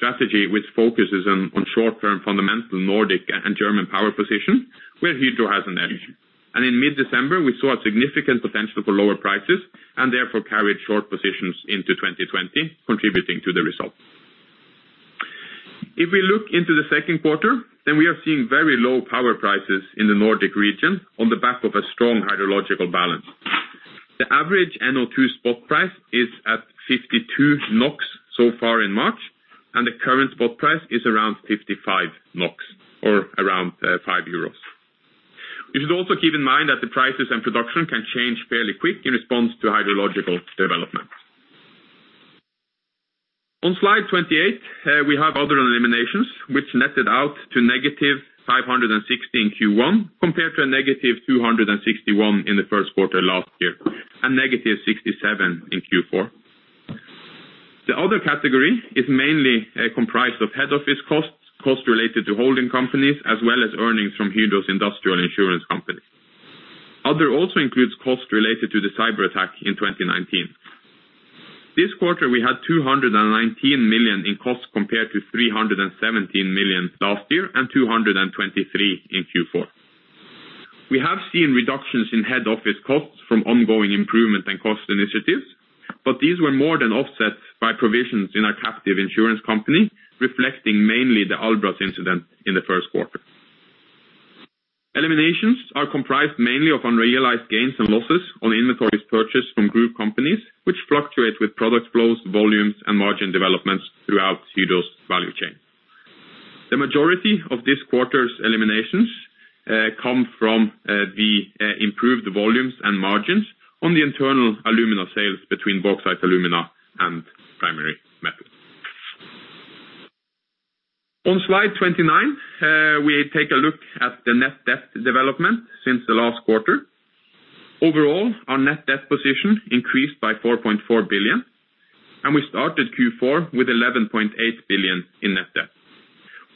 strategy which focuses on short-term fundamental Nordic and German power position where Hydro has an edge. In mid-December, we saw a significant potential for lower prices and therefore carried short positions into 2020 contributing to the result. If we look into the second quarter, then we are seeing very low power prices in the Nordic region on the back of a strong hydrological balance. The average NO2 spot price is at 52 NOK so far in March, and the current spot price is around 55 NOK or around 5 euros. We should also keep in mind that the prices and production can change fairly quick in response to hydrological developments. On slide 28, we have other eliminations which netted out to -560 in Q1 compared to a -261 in the first quarter last year, and -67 in Q4. The other category is mainly comprised of head office costs related to holding companies, as well as earnings from Hydro's industrial insurance company. Other also includes costs related to the cyber attack in 2019. This quarter, we had 219 million in costs compared to 317 million last year and 223 in Q4. We have seen reductions in head office costs from ongoing improvement and cost initiatives, but these were more than offset by provisions in our captive insurance company, reflecting mainly the Albras incident in the first quarter. Eliminations are comprised mainly of unrealized gains and losses on inventories purchased from group companies, which fluctuate with product flows, volumes, and margin developments throughout Hydro's value chain. The majority of this quarter's eliminations come from the improved volumes and margins on the internal alumina sales between Bauxite & Alumina and Aluminium Metal. On slide 29, we take a look at the net debt development since the last quarter. Overall, our net debt position increased by 4.4 billion. We started Q4 with 11.8 billion in net debt.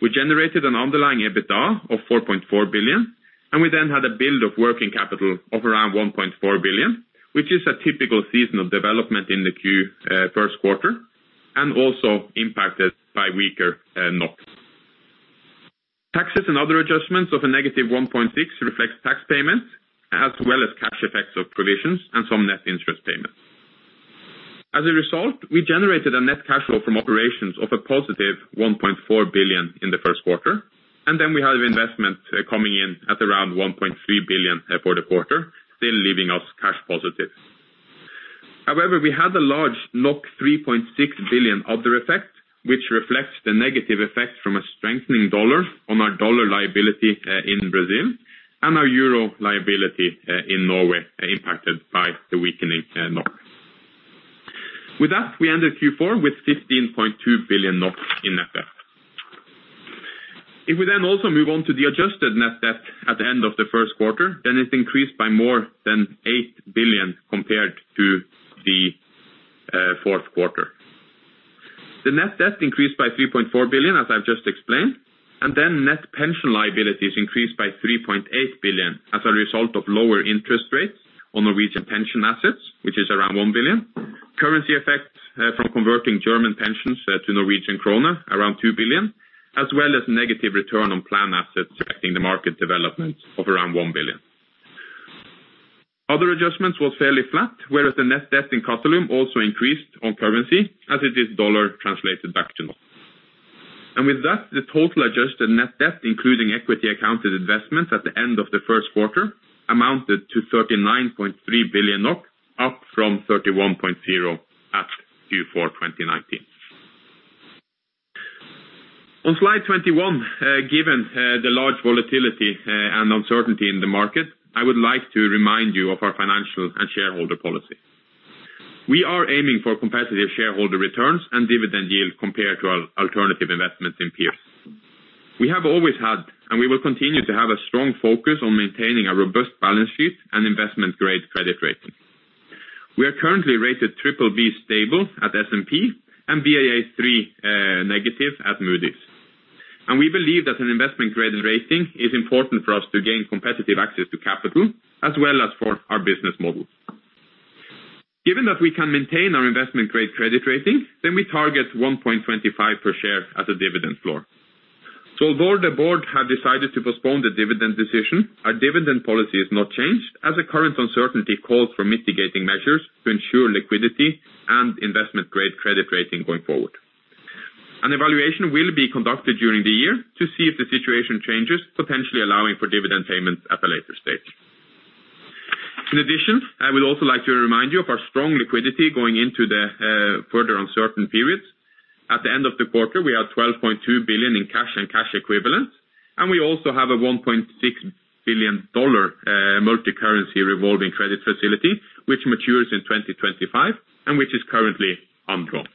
We generated an underlying EBITDA of 4.4 billion. We then had a build of working capital of around 1.4 billion, which is a typical seasonal development in the first quarter and also impacted by weaker NOK. Taxes and other adjustments of a negative 1.6 billion reflects tax payments, as well as cash effects of provisions and some net interest payments. As a result, we generated a net cash flow from operations of a +1.4 billion in the first quarter, and then we had investment coming in at around 1.3 billion for the quarter, still leaving us cash positive. However, we had a large 3.6 billion other effect, which reflects the negative effect from a strengthening dollars on our dollar liability in Brazil and our euro liability in Norway, impacted by the weakening NOK. With that, we ended Q4 with 15.2 billion NOK in net debt. If we then also move on to the adjusted net debt at the end of the first quarter, then it increased by more than 8 billion compared to the fourth quarter. The net debt increased by 3.4 billion, as I've just explained, net pension liabilities increased by 3.8 billion as a result of lower interest rates on Norwegian pension assets, which is around 1 billion. Currency effects from converting German pensions to Norwegian kroner around 2 billion, as well as negative return on plan assets affecting the market development of around 1 billion. Other adjustments were fairly flat, whereas the net debt in Qatalum also increased on currency as it is dollar translated back to NOK. With that, the total adjusted net debt, including equity accounted investments at the end of the first quarter amounted to 39.3 billion NOK, up from 31.0 billion at Q4 2019. On slide 21, given the large volatility and uncertainty in the market, I would like to remind you of our financial and shareholder policy. We are aiming for competitive shareholder returns and dividend yield compared to our alternative investments in peers. We have always had, and we will continue to have a strong focus on maintaining a robust balance sheet and investment-grade credit rating. We are currently rated BBB stable at S&P and Baa3- at Moody's. We believe that an investment-grade rating is important for us to gain competitive access to capital, as well as for our business model. Given that we can maintain our investment-grade credit rating, we target 1.25 per share as a dividend floor. Although the board have decided to postpone the dividend decision, our dividend policy is not changed, as the current uncertainty calls for mitigating measures to ensure liquidity and investment-grade credit rating going forward. An evaluation will be conducted during the year to see if the situation changes, potentially allowing for dividend payments at a later stage. In addition, I would also like to remind you of our strong liquidity going into the further uncertain periods. At the end of the quarter, we had 12.2 billion in cash and cash equivalents, and we also have a NOK 1.6 billion multi-currency revolving credit facility, which matures in 2025 and which is currently undrawn.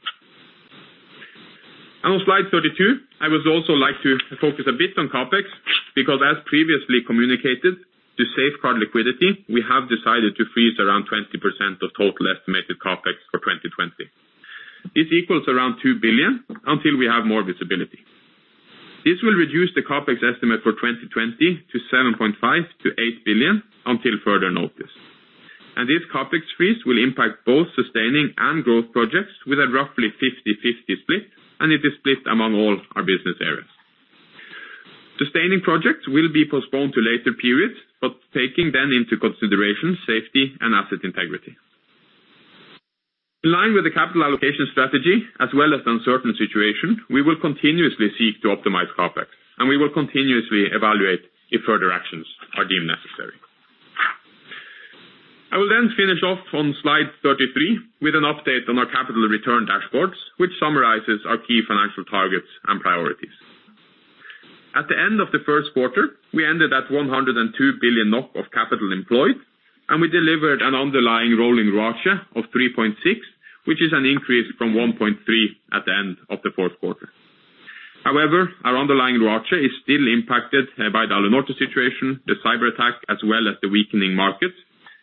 On slide 32, I would also like to focus a bit on CapEx, because as previously communicated, to safeguard liquidity, we have decided to freeze around 20% of total estimated CapEx for 2020. This equals around 2 billion, until we have more visibility. This will reduce the CapEx estimate for 2020 to 7.5 billion-8 billion until further notice. This CapEx freeze will impact both sustaining and growth projects with a roughly 50/50 split, and it is split among all our business areas. Sustaining projects will be postponed to later periods, but taking then into consideration safety and asset integrity. In line with the capital allocation strategy as well as the uncertain situation, we will continuously seek to optimize CapEx, and we will continuously evaluate if further actions are deemed necessary. I will then finish off on slide 33 with an update on our capital return dashboards, which summarizes our key financial targets and priorities. At the end of the first quarter, we ended at 102 billion NOK of capital employed. We delivered an underlying rolling ROACE of 3.6, which is an increase from 1.3 at the end of the fourth quarter. However, our underlying ROACE is still impacted by the Alunorte situation, the cyberattack, as well as the weakening markets,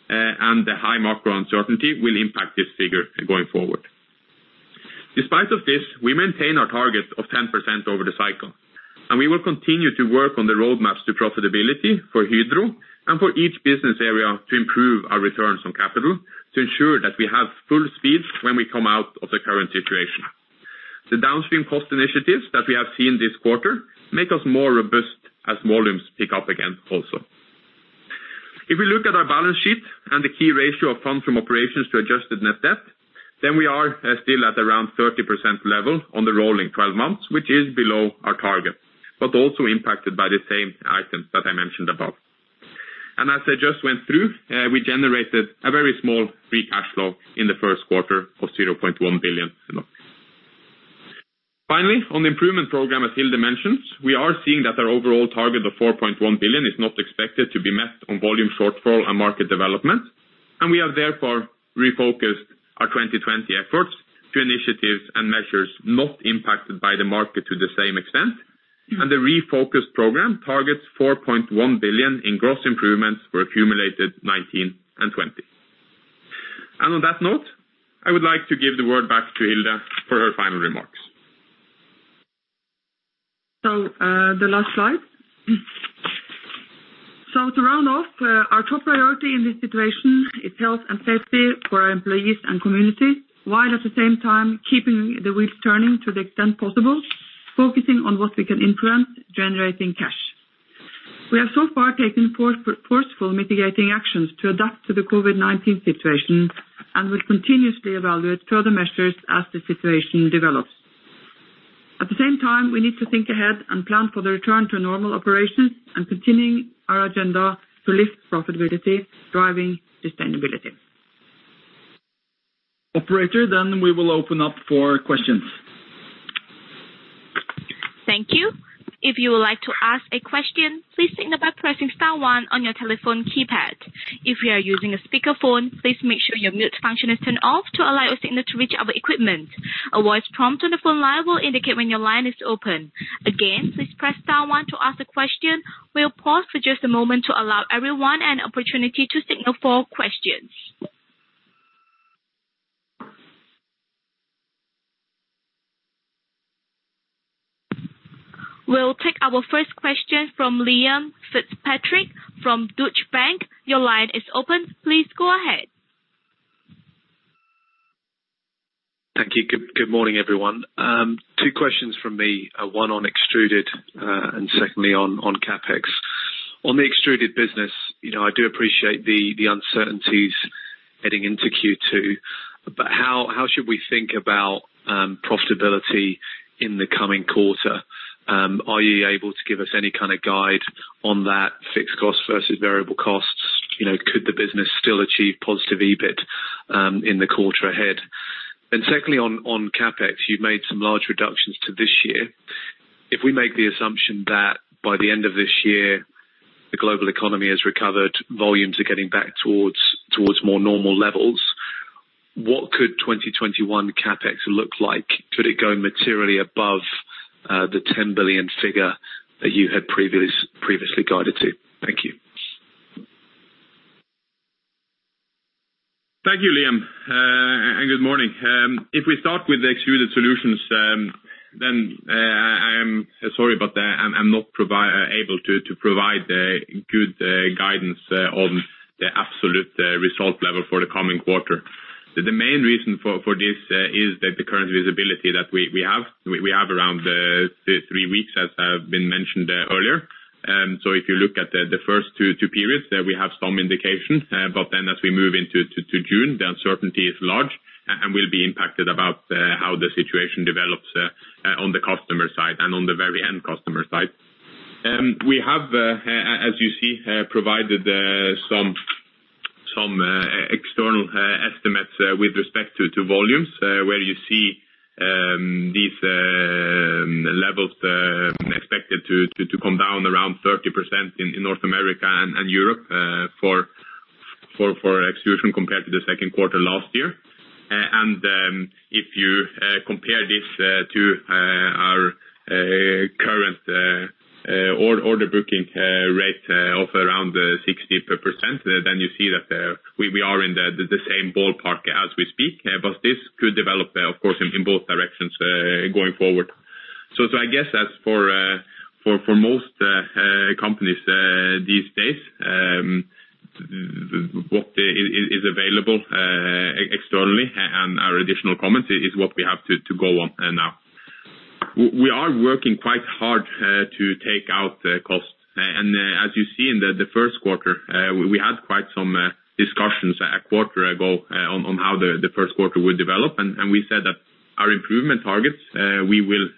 and the high macro uncertainty will impact this figure going forward. Despite this, we maintain our target of 10% over the cycle. We will continue to work on the roadmaps to profitability for Hydro and for each business area to improve our returns on capital to ensure that we have full speed when we come out of the current situation. The downstream cost initiatives that we have seen this quarter make us more robust as volumes pick up again, also. If we look at our balance sheet and the key ratio of funds from operations to adjusted net debt, then we are still at around 30% level on the rolling 12 months, which is below our target, but also impacted by the same items that I mentioned above. As I just went through, we generated a very small free cash flow in the first quarter of 0.1 billion. Finally, on the improvement program, as Hilde mentioned, we are seeing that our overall target of 4.1 billion is not expected to be met on volume shortfall and market development, and we have therefore refocused our 2020 efforts to initiatives and measures not impacted by the market to the same extent. The refocused program targets 4.1 billion in gross improvements for accumulated 2019 and 2020. On that note, I would like to give the word back to Hilde for her final remarks. The last slide. To round off, our top priority in this situation is health and safety for our employees and communities, while at the same time keeping the wheels turning to the extent possible, focusing on what we can influence, generating cash. We have so far taken forceful mitigating actions to adapt to the COVID-19 situation and will continuously evaluate further measures as the situation develops. At the same time, we need to think ahead and plan for the return to normal operations and continuing our agenda to lift profitability, driving sustainability. Operator, we will open up for questions. Thank you. If you would like to ask a question, please signal by pressing star one on your telephone keypad. If you are using a speakerphone, please make sure your mute function is turned off to allow your signal to reach our equipment. A voice prompt on the phone line will indicate when your line is open. Again, please press star one to ask a question. We'll pause for just a moment to allow everyone an opportunity to signal for questions. We'll take our first question from Liam Fitzpatrick from Deutsche Bank. Your line is open. Please go ahead. Thank you. Good morning, everyone. Two questions from me, one on Extruded and secondly on CapEx. On the Extruded business, I do appreciate the uncertainties heading into Q2, how should we think about profitability in the coming quarter? Are you able to give us any kind of guide on that fixed cost versus variable costs? Could the business still achieve positive EBIT in the quarter ahead? Secondly, on CapEx, you've made some large reductions to this year. If we make the assumption that by the end of this year, the global economy has recovered, volumes are getting back towards more normal levels, what could 2021 CapEx look like? Could it go materially above the 10 billion figure that you had previously guided to? Thank you. Thank you, Liam, and good morning. If we start with the Extruded Solutions, I am sorry, I'm not able to provide a good guidance on the absolute result level for the coming quarter. The main reason for this is that the current visibility that we have around the three weeks, as has been mentioned earlier. If you look at the first two periods, we have some indication, as we move into June, the uncertainty is large and will be impacted about how the situation develops on the customer side and on the very end customer side. We have, as you see, provided some external estimates with respect to volumes, where you see these levels expected to come down around 30% in North America and Europe for extrusion compared to the second quarter last year. If you compare this to our current order booking rate of around 60%, then you see that we are in the same ballpark as we speak. This could develop, of course, in both directions going forward. I guess as for most companies these days, what is available externally and our additional comments is what we have to go on now. We are working quite hard to take out costs. As you see in the first quarter, we had quite some discussions a quarter ago on how the first quarter would develop, and we said that our improvement targets we will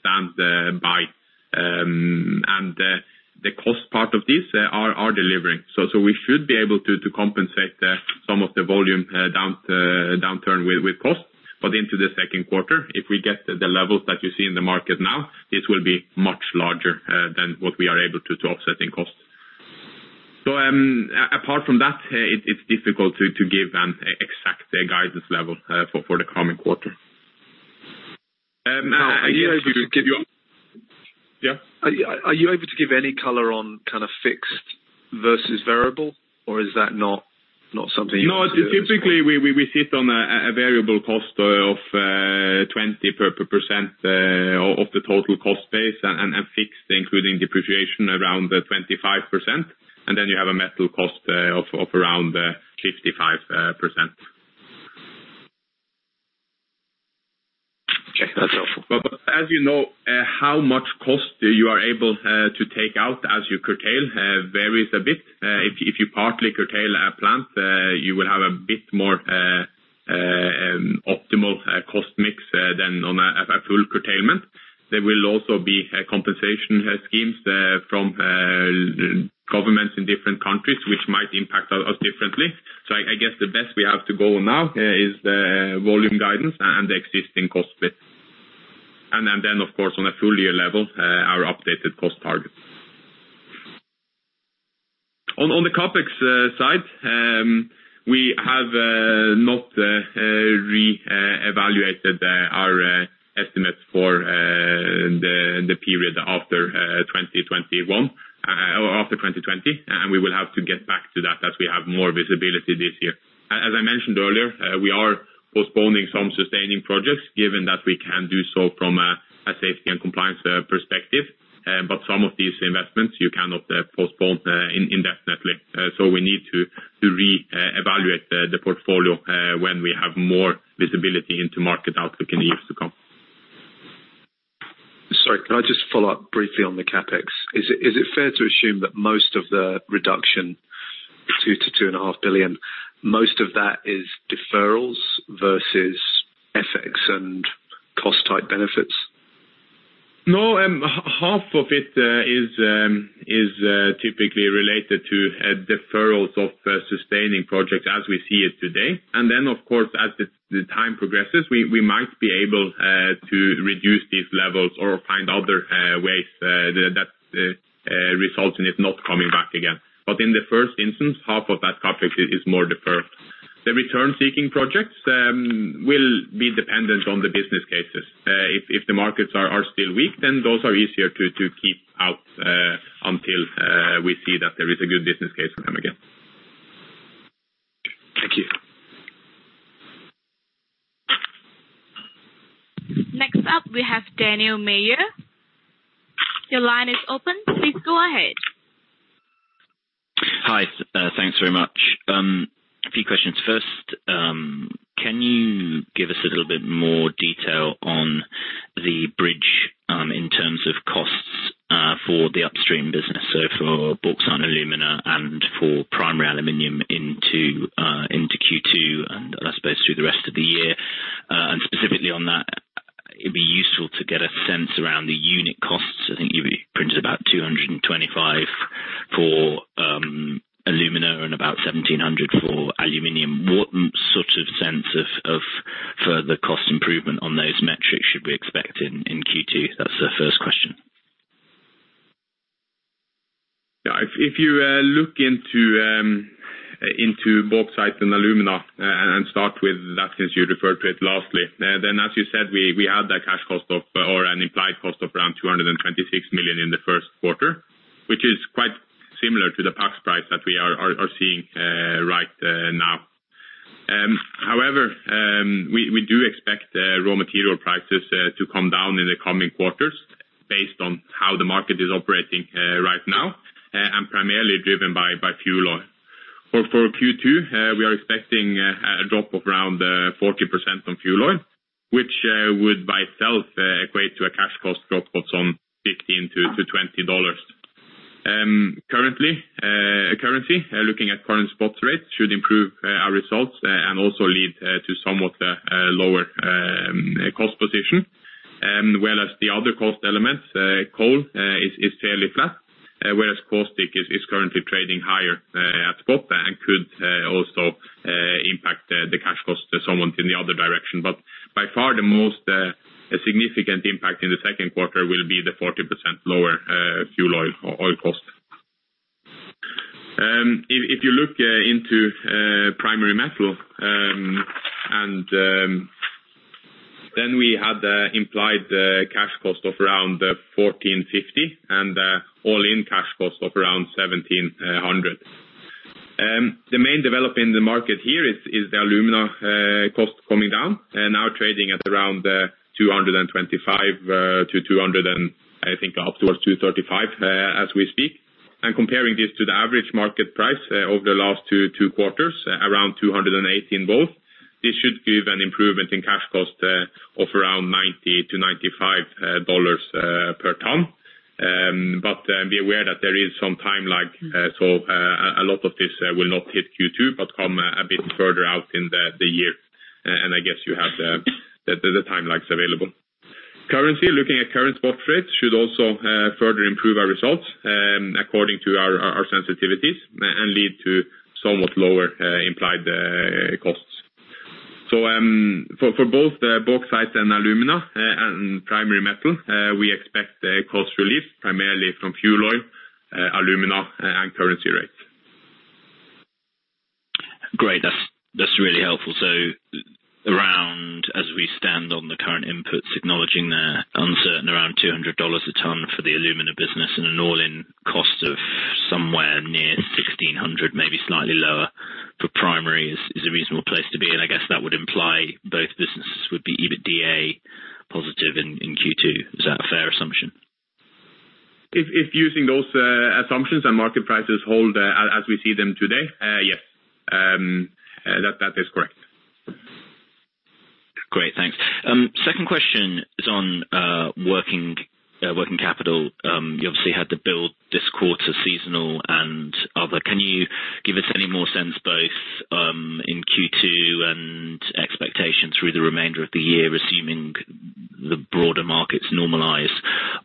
stand by. The cost part of this are delivering. We should be able to compensate some of the volume downturn with costs. Into the second quarter, if we get the levels that you see in the market now, this will be much larger than what we are able to offset in costs. Apart from that, it's difficult to give an exact guidance level for the coming quarter. Now, are you able to? Yeah. Are you able to give any color on fixed versus variable, or is that not something you can share this quarter? No, typically, we sit on a variable cost of 20% of the total cost base, and fixed, including depreciation, around 25%. Then you have a metal cost of around 55%. Okay. That's helpful. As you know, how much cost you are able to take out as you curtail varies a bit. If you partly curtail a plant, you will have a bit more optimal cost mix than on a full curtailment. There will also be compensation schemes from governments in different countries, which might impact us differently. I guess the best we have to go on now is the volume guidance and the existing cost split. Then, of course, on a full year level, our updated cost targets. On the CapEx side, we have not re-evaluated our estimates for the period after 2021 or after 2020, and we will have to get back to that as we have more visibility this year. As I mentioned earlier, we are postponing some sustaining projects given that we can do so from a safety and compliance perspective. Some of these investments, you cannot postpone indefinitely. We need to re-evaluate the portfolio when we have more visibility into market outlook in the years to come. Sorry, can I just follow up briefly on the CapEx? Is it fair to assume that most of the reduction, 2 billion-2.5 billion, most of that is deferrals versus FX and cost-type benefits? No, 1/2 of it is typically related to deferrals of sustaining projects as we see it today. Of course, as the time progresses, we might be able to reduce these levels or find other ways that result in it not coming back again. In the first instance, 1/2 of that CapEx is more deferred. The return-seeking projects will be dependent on the business cases. If the markets are still weak, those are easier to keep out until we see that there is a good business case coming again. Thank you. Next up, we have Daniel Major. Your line is open. Please go ahead. Hi. Thanks very much. A few questions. First, can you give us a little bit more detail on the bridge in terms of costs for the upstream business, so for bauxite and alumina and for primary aluminum into Q2 and I suppose through the rest of the year? Specifically on that, it'd be useful to get a sense around the unit costs. I think you printed about 225 for alumina and about 1,700 for aluminum. What sort of sense of further cost improvement on those metrics should we expect in Q2? That's the first question. If you look into bauxite and alumina and start with that since you referred to it lastly, as you said, we had that cash cost of or an implied cost of around 226 million in the first quarter, which is quite similar to the Platts price that we are seeing right now. We do expect raw material prices to come down in the coming quarters based on how the market is operating right now and primarily driven by fuel oil. For Q2, we are expecting a drop of around 40% on fuel oil, which would by itself equate to a cash cost drop of some NOK 15-NOK 20. Currency, looking at current spot rates, should improve our results and also lead to somewhat lower cost position, as well as the other cost elements. Coal is fairly flat, whereas caustic is currently trading higher at spot and could also impact the cash cost somewhat in the other direction. By far the most significant impact in the second quarter will be the 40% lower fuel oil cost. If you look into Aluminium Metal, then we had the implied cash cost of around 1,450 and all-in cash cost of around 1,700. The main development in the market here is the alumina cost coming down and now trading at around 225 to 200 and I think up towards 235 as we speak. Comparing this to the average market price over the last two quarters, around 218 both, this should give an improvement in cash cost of around $90-$95 per ton. Be aware that there is some time lag, so a lot of this will not hit Q2 but come a bit further out in the year. I guess you have the time lags available. Currency, looking at current spot rates, should also further improve our results according to our sensitivities and lead to somewhat lower implied costs. For both the bauxite and alumina and primary metal, we expect a cost relief primarily from fuel oil, alumina, and currency rates. Great. That's really helpful. Around as we stand on the current inputs, acknowledging they're uncertain around NOK 200 a ton for the alumina business and an all-in cost of somewhere near 1,600, maybe slightly lower for primary is a reasonable place to be. I guess that would imply both businesses would be EBITDA positive in Q2. Is that a fair assumption? If using those assumptions and market prices hold as we see them today, yes. That is correct. Great, thanks. Second question is on working capital. You obviously had the build this quarter, seasonal and other. Can you give us any more sense both in Q2 and expectations through the remainder of the year, assuming the broader markets normalize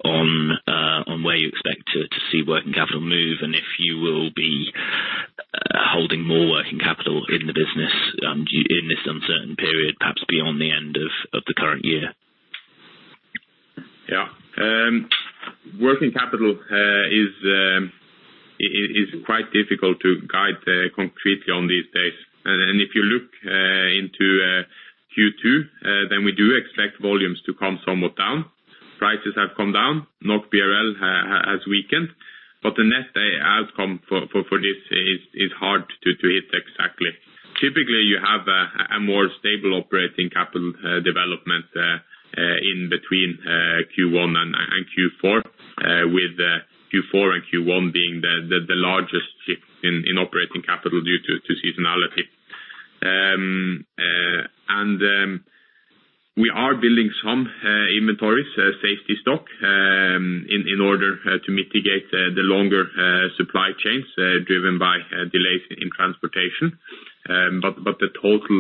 on where you expect to see working capital move and if you will be holding more working capital in the business in this uncertain period, perhaps beyond the end of the current year? Yeah. Working capital is quite difficult to guide concretely on these days. If you look into Q2, we do expect volumes to come somewhat down. Prices have come down, NOK/BRL has weakened, the net outcome for this is hard to hit exactly. Typically, you have a more stable operating capital development in between Q1 and Q4, with Q4 and Q1 being the largest shift in operating capital due to seasonality. We are building some inventories, safety stock, in order to mitigate the longer supply chains driven by delays in transportation. The total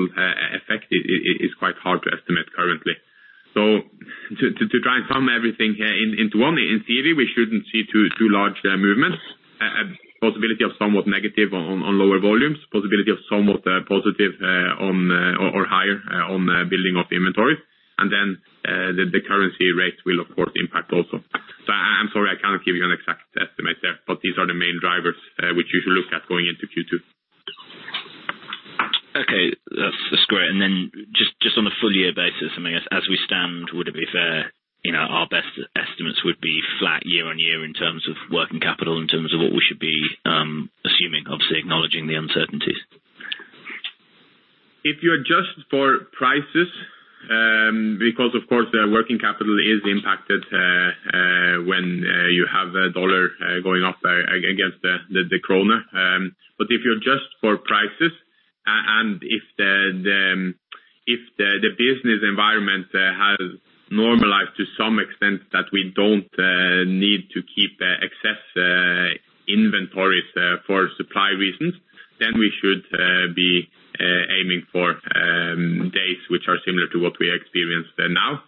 effect is quite hard to estimate currently. To try and sum everything into one, in theory, we shouldn't see too large movements. A possibility of somewhat negative on lower volumes, possibility of somewhat positive or higher on building of inventories. The currency rate will, of course, impact also. I'm sorry, I can't give you an exact estimate there, but these are the main drivers which you should look at going into Q2. Okay. That's great. Then just on a full year basis, as we stand, would it be fair, our best estimates would be flat year-on-year in terms of working capital, in terms of what we should be assuming, obviously acknowledging the uncertainties? If you adjust for prices, because of course, working capital is impacted when you have the dollar going up against the kronor. If you adjust for prices, and if the business environment has normalized to some extent that we don't need to keep excess inventories for supply reasons, then we should be aiming for days which are similar to what we experience now,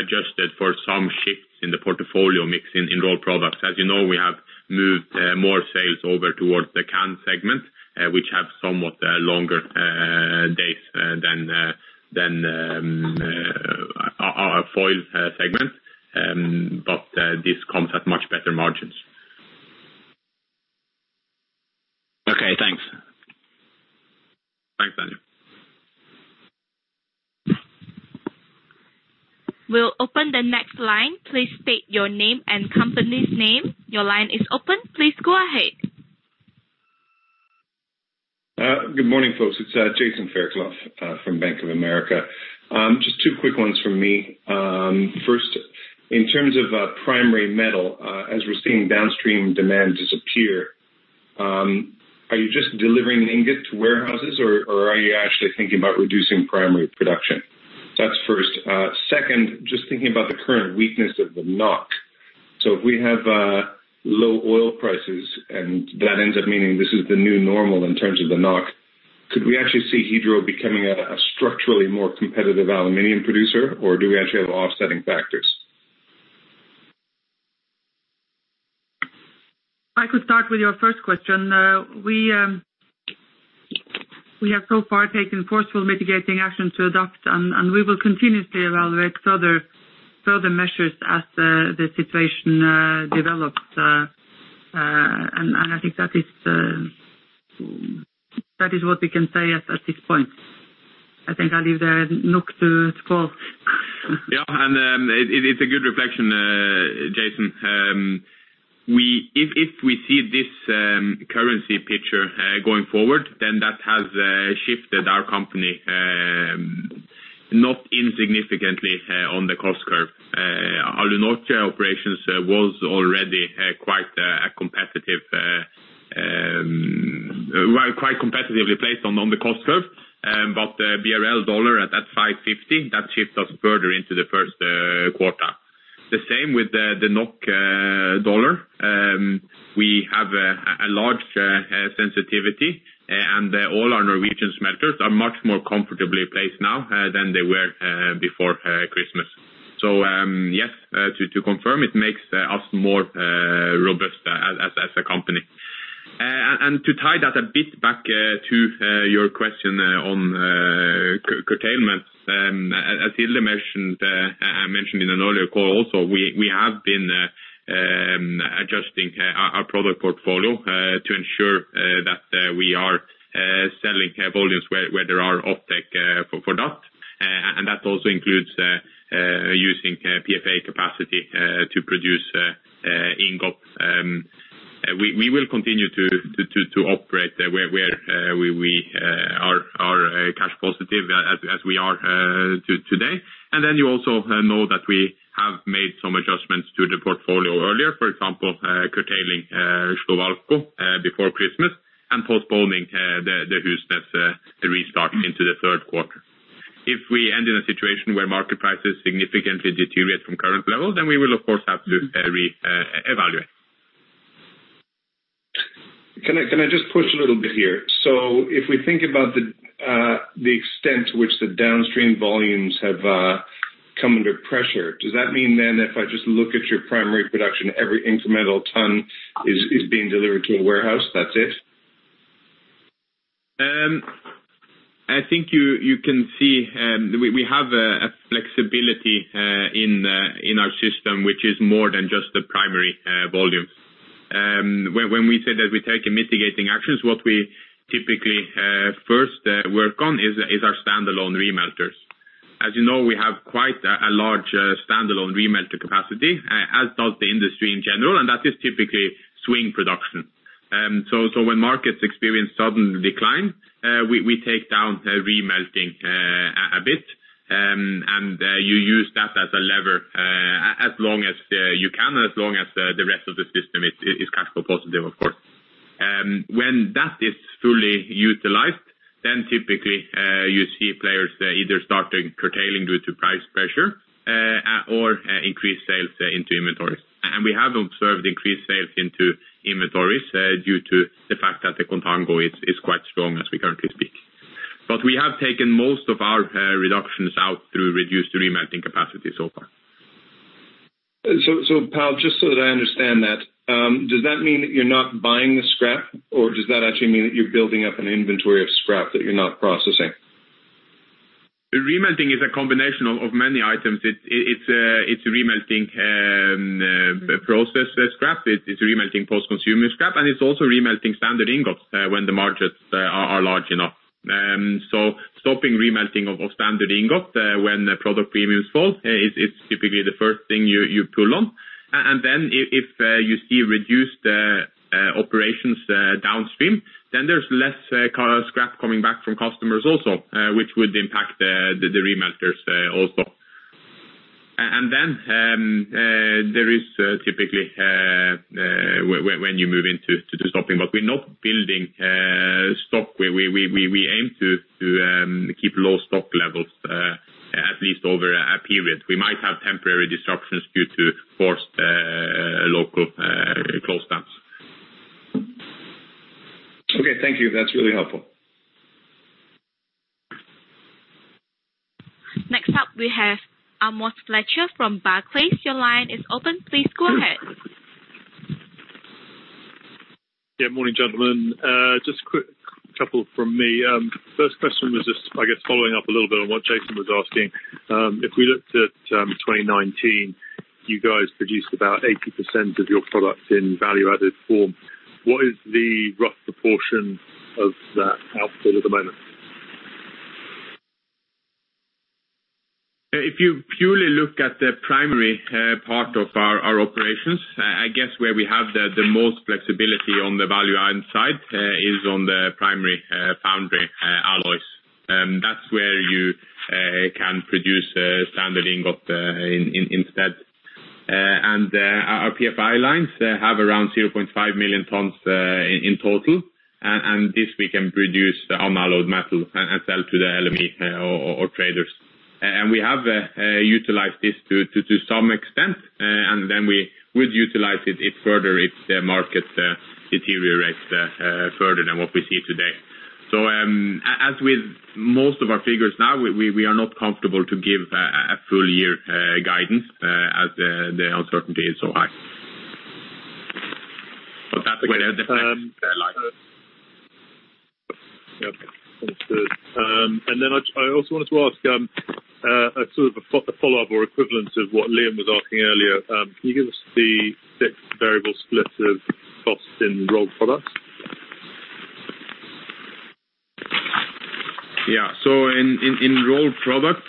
adjusted for some shifts in the portfolio mix in raw products. You know, we have moved more sales over towards the can segment, which have somewhat longer days than our foil segment, but this comes at much better margins. Okay, thanks. Thanks, Daniel. We'll open the next line. Please state your name and company's name. Your line is open. Please go ahead. Good morning, folks. It's Jason Fairclough from Bank of America. Just two quick ones from me. First, in terms of primary metal, as we're seeing downstream demand disappear, are you just delivering ingot to warehouses or are you actually thinking about reducing primary production? That's first. Second, just thinking about the current weakness of the NOK. If we have low oil prices and that ends up meaning this is the new normal in terms of the NOK, could we actually see Hydro becoming a structurally more competitive aluminum producer, or do we actually have offsetting factors? I could start with your first question. We have so far taken forceful mitigating action to adopt, and we will continuously evaluate further measures as the situation develops. I think that is what we can say at this point. I think I'll leave the NOK to Pål. Yeah. It's a good reflection, Jason. If we see this currency picture going forward, that has shifted our company, not insignificantly on the cost curve. Alunorte operations was already quite competitively placed on the cost curve, BRL/dollar at 550, that shifts us further into the first quarter. The same with the NOK/dollar. We have a large sensitivity; all our Norwegian smelters are much more comfortably placed now than they were before Christmas. Yes, to confirm, it makes us more robust as a company. To tie that a bit back to your question on curtailments, as Hilde mentioned, I mentioned in an earlier call also, we have been adjusting our product portfolio to ensure that we are selling volumes where there are offtake for that. That also includes using PFA capacity to produce ingot. We will continue to operate where we are cash positive as we are today. You also know that we have made some adjustments to the portfolio earlier. For example, curtailing Slovalco before Christmas and postponing the Husnes restart into the third quarter. If we end in a situation where market prices significantly deteriorate from current levels, we will, of course, have to reevaluate. Can I just push a little bit here? If we think about the extent to which the downstream volumes have come under pressure, does that mean then if I just look at your primary production, every incremental ton is being delivered to a warehouse, that's it? I think you can see we have a flexibility in our system, which is more than just the primary volume. When we say that we're taking mitigating actions, what we typically first work on is our standalone re-melters. As you know, we have quite a large standalone re-melter capacity, as does the industry in general, and that is typically swing production. When markets experience sudden decline, we take down re-melting a bit, and you use that as a lever, as long as you can, as long as the rest of the system is cash flow positive, of course. And when that is truly utilize then typically you see players either starting curtailing due to price pressure or increased sales into inventories. We have observed increased sales into inventories due to the fact that the contango is quite strong as we currently speak. We have taken most of our reductions out through reduced re-melting capacity so far. Pål, just so that I understand that, does that mean that you're not buying the scrap, or does that actually mean that you're building up an inventory of scrap that you're not processing? Re-melting is a combination of many items. It's re-melting process scrap. It's re-melting post-consumer scrap, and it's also re-melting standard ingots when the margins are large enough. Stopping re-melting of standard ingot when product premiums fall, it's typically the first thing you pull on. If you see reduced operations downstream, then there's less scrap coming back from customers also, which would impact the re-melters also. There is typically, when you move into stopping. We're not building stock. We aim to keep low stock levels, at least over a period. We might have temporary disruptions due to forced local close downs. Okay, thank you. That's really helpful. Next up, we have Amos Fletcher from Barclays. Your line is open. Please go ahead. Yeah. Morning, gentlemen. Just a quick couple from me. First question was just, I guess following up a little bit on what Jason was asking. If we looked at 2019, you guys produced about 80% of your product in value-added form. What is the rough proportion of that output at the moment? If you purely look at the primary part of our operations, I guess where we have the most flexibility on the value-add side is on the primary foundry alloys. That's where you can produce standard ingot instead. Our PFA lines have around 0.5 million tons in total. This we can produce unalloyed metal and sell to the LME or traders. We have utilized this to some extent, we would utilize it further if the market deteriorates further than what we see today. As with most of our figures now, we are not comfortable to give a full year guidance as the uncertainty is so high. That's where the plans lie. Yeah. Understood. I also wanted to ask, sort of a follow-up or equivalent of what Liam was asking earlier. Can you give us the fixed/variable split of costs in Rolled Products? Yeah. In Rolled Products,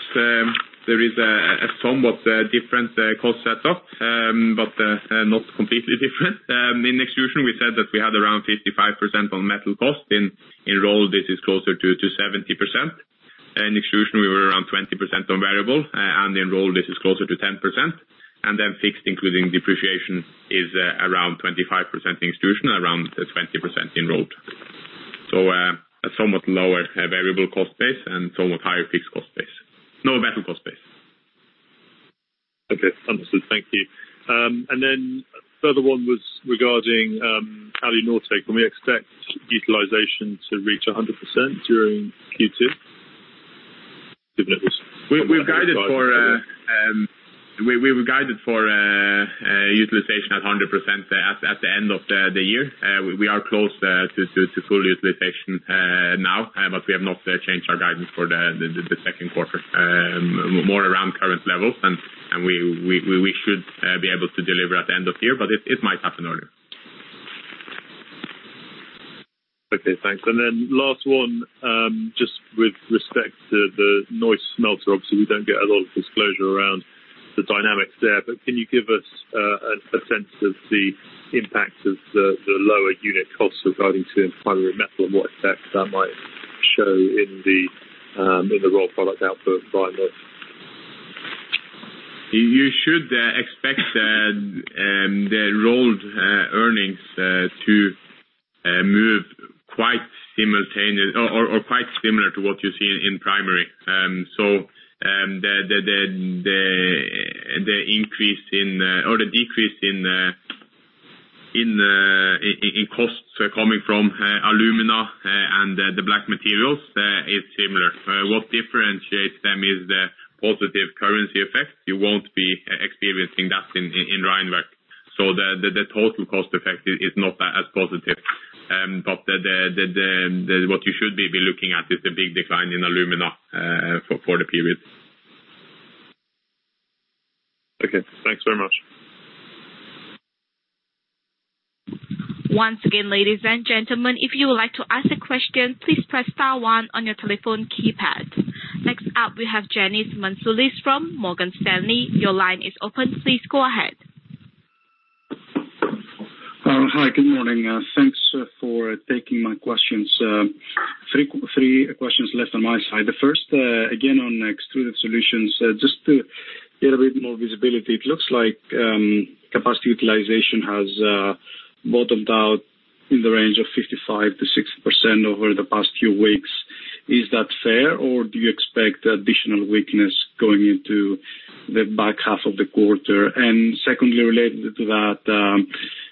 there is a somewhat different cost set up, but not completely different. In Extrusion, we said that we had around 55% on metal cost. In Rolled, this is closer to 70%. In Extrusion, we were around 20% on variable, and in Rolled, this is closer to 10%. Fixed, including depreciation, is around 25% in Extrusion, around 20% in Rolled. A somewhat lower variable cost base and somewhat higher fixed cost base. No metal cost base. Okay. Understood. Thank you. A further one was regarding Alunorte. Can we expect utilization to reach 100% during Q2? We've guided for utilization at 100% at the end of the year. We are close to full utilization now. We have not changed our guidance for the second quarter. More around current levels, we should be able to deliver at the end of the year. It might happen earlier. Okay, thanks. Last one, just with respect to the Neuss smelter, obviously, we don't get a lot of disclosure around the dynamics there. Can you give us a sense of the impact of the lower unit costs regarding to primary metal and what effect that might show in the raw product output by month? You should expect the rolled earnings to move quite similar to what you see in primary. The decrease in costs coming from alumina and the black materials is similar. What differentiates them is the positive currency effect. You won't be experiencing that in Rheinwerk. The total cost effect is not as positive. What you should be looking at is the big decline in alumina for the period. Okay. Thanks very much. Once again, ladies and gentlemen, if you would like to ask a question, please press star one on your telephone keypad. Next up we have Ioannis Masvoulas from Morgan Stanley. Your line is open. Please go ahead. Hi, good morning. Thanks for taking my questions. Three questions left on my side. The first, again on Hydro Extruded Solutions, just to get a bit more visibility. It looks like capacity utilization has bottomed out in the range of 55%-60% over the past few weeks. Is that fair, or do you expect additional weakness going into the back half of the quarter? Secondly, related to that,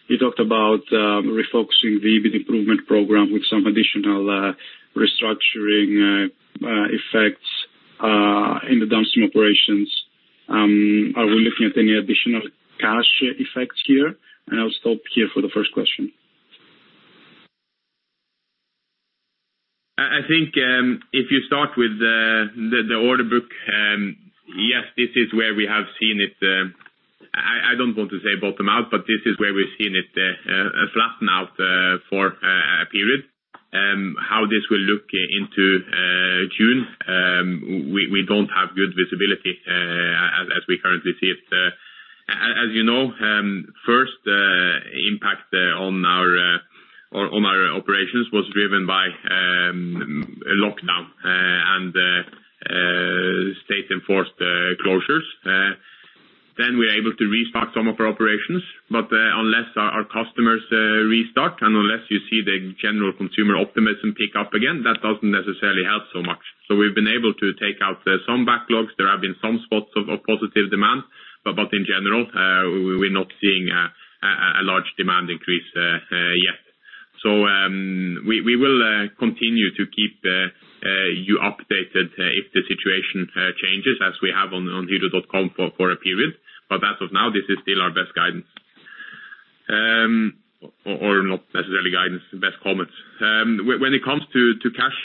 you talked about refocusing the EBIT improvement program with some additional restructuring effects in the downstream operations. Are we looking at any additional cash effects here? I'll stop here for the first question. I think, if you start with the order book, yes, this is where we have seen it. I don't want to say bottom out, but this is where we've seen it flatten out for a period. How this will look into June, we don't have good visibility, as we currently see it. As you know, first impact on our operations was driven by lockdown and state-enforced closures. We're able to restart some of our operations. Unless our customers restart and unless you see the general consumer optimism pick up again, that doesn't necessarily help so much. We've been able to take out some backlogs. There have been some spots of positive demand. In general, we're not seeing a large demand increase yet. We will continue to keep you updated if the situation changes as we have on hydro.com for a period. That of now, this is still our best guidance, not necessarily guidance, best comments. When it comes to cash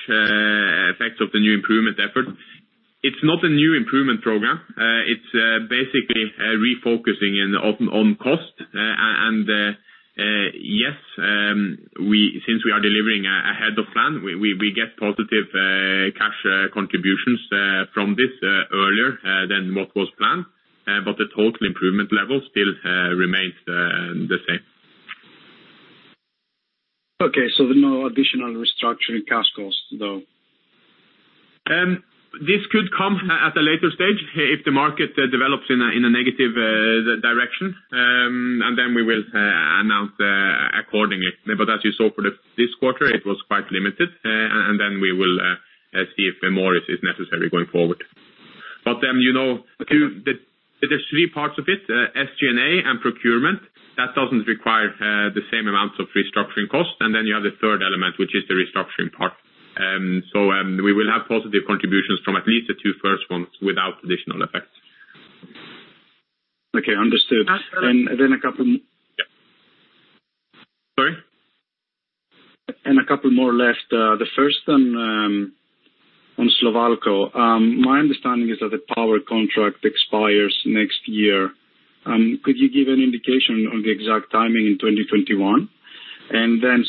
effects of the new improvement effort, it's not a new improvement program. It's basically refocusing on cost. Yes, since we are delivering ahead of plan, we get positive cash contributions from this earlier than what was planned. The total improvement level still remains the same. Okay, no additional restructuring cash costs, though? This could come at a later stage if the market develops in a negative direction, we will announce accordingly. As you saw for this quarter, it was quite limited. We will see if more is necessary going forward. There's three parts of it, SG&A and procurement. That doesn't require the same amounts of restructuring costs. You have the third element, which is the restructuring part. We will have positive contributions from at least the two first ones without additional effects. Okay, understood. Yeah. Sorry? A couple more left. The first on Slovalco. My understanding is that the power contract expires next year. Could you give an indication on the exact timing in 2021?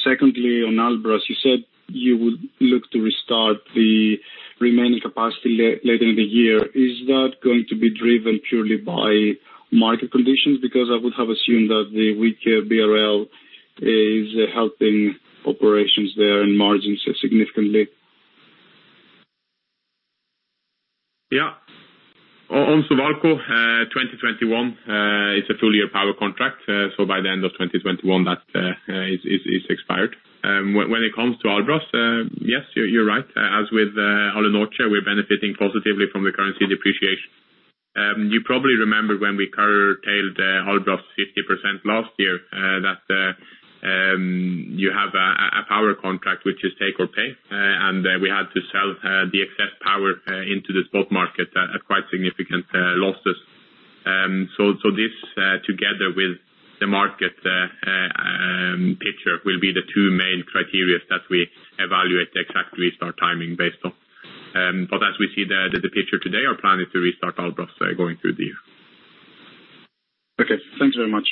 Secondly, on Albras, you said you would look to restart the remaining capacity later in the year. Is that going to be driven purely by market conditions? Because I would have assumed that the weaker BRL is helping operations there and margins significantly. On Slovalco, 2021, it is a full-year power contract. By the end of 2021, that is expired. When it comes to Albras, yes, you are right. As with Alunorte, we are benefiting positively from the currency depreciation. You probably remember when we curtailed Albras 50% last year, that you have a power contract which is take or pay, and we had to sell the excess power into the spot market at quite significant losses. This, together with the market picture, will be the two main criteria that we evaluate exactly start timing based on. As we see the picture today, our plan is to restart Albras going through the year. Okay. Thank you very much.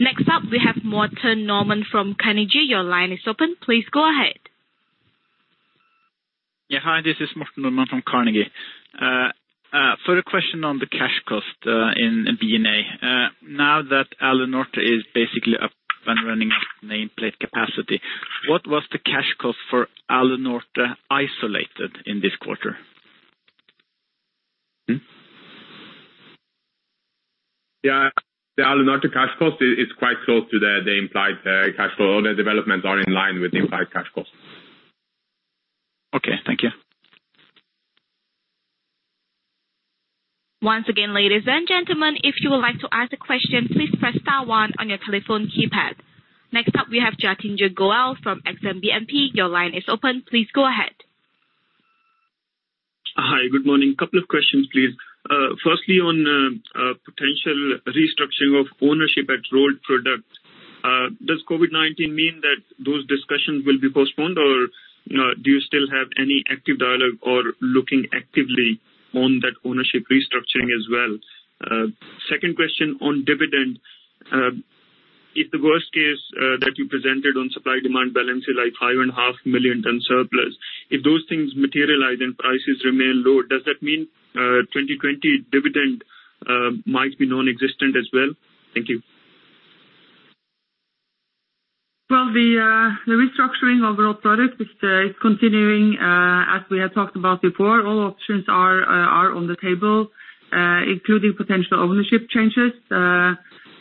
Next up, we have Morten Normann from Carnegie. Your line is open. Please go ahead. Yeah. Hi, this is Morten Normann from Carnegie. Further question on the cash cost in BNA. Now that Alunorte is basically up and running at nameplate capacity, what was the cash cost for Alunorte isolated in this quarter? Yeah. The Alunorte cash cost is quite close to the implied cash flow. All the developments are in line with the implied cash costs. Okay. Thank you. Once again, ladies and gentlemen, if you would like to ask a question, please press star one on your telephone keypad. Next up we have Jatinder Goel from Exane BNP. Your line is open. Please go ahead. Hi. Good morning. Couple of questions, please. Firstly, on potential restructuring of ownership at Rolled Products. Does COVID-19 mean that those discussions will be postponed, or do you still have any active dialogue or looking actively on that ownership restructuring as well? Second question on dividend. If the worst case that you presented on supply-demand balance is like 5.5 million ton surplus, if those things materialize and prices remain low, does that mean 2020 dividend might be non-existent as well? Thank you. Well, the restructuring of Rolled Products is continuing. As we had talked about before, all options are on the table including potential ownership changes.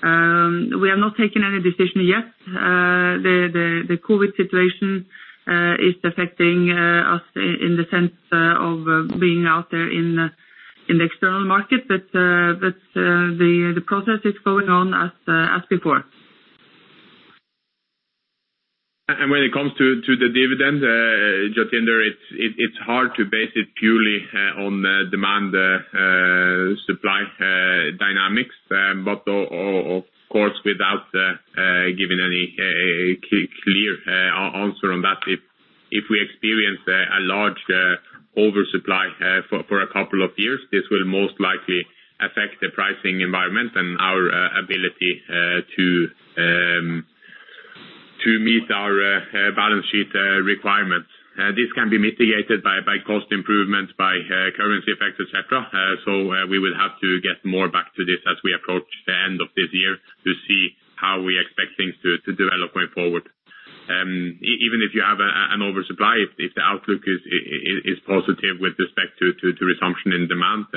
We have not taken any decision yet. The COVID situation is affecting us in the sense of being out there in the external market. The process is going on as before. When it comes to the dividend, Jatinder, it's hard to base it purely on demand-supply dynamics. Of course, without giving any clear answer on that, if we experience a large oversupply for a couple of years, this will most likely affect the pricing environment and our ability to meet our balance sheet requirements. This can be mitigated by cost improvements, by currency effects, et cetera. We will have to get more back to this as we approach the end of this year to see how we expect things to develop going forward. Even if you have an oversupply, if the outlook is positive with respect to resumption in demand,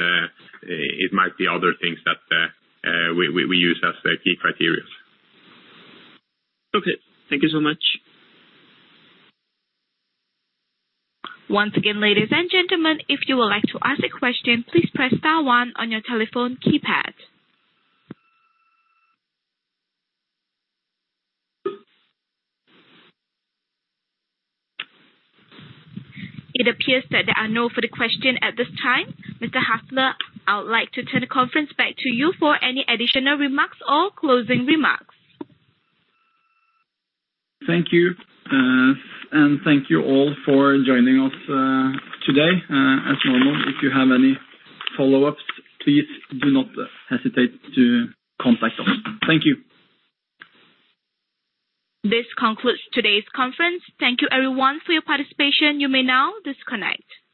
it might be other things that we use as the key criteria. Okay. Thank you so much. Once again, ladies and gentlemen, if you would like to ask a question, please press star one on your telephone keypad. It appears that there are no further question at this time. Mr. Hasle, I would like to turn the conference back to you for any additional remarks or closing remarks. Thank you. Thank you all for joining us today. As normal, if you have any follow-ups, please do not hesitate to contact us. Thank you. This concludes today's conference. Thank you everyone for your participation. You may now disconnect.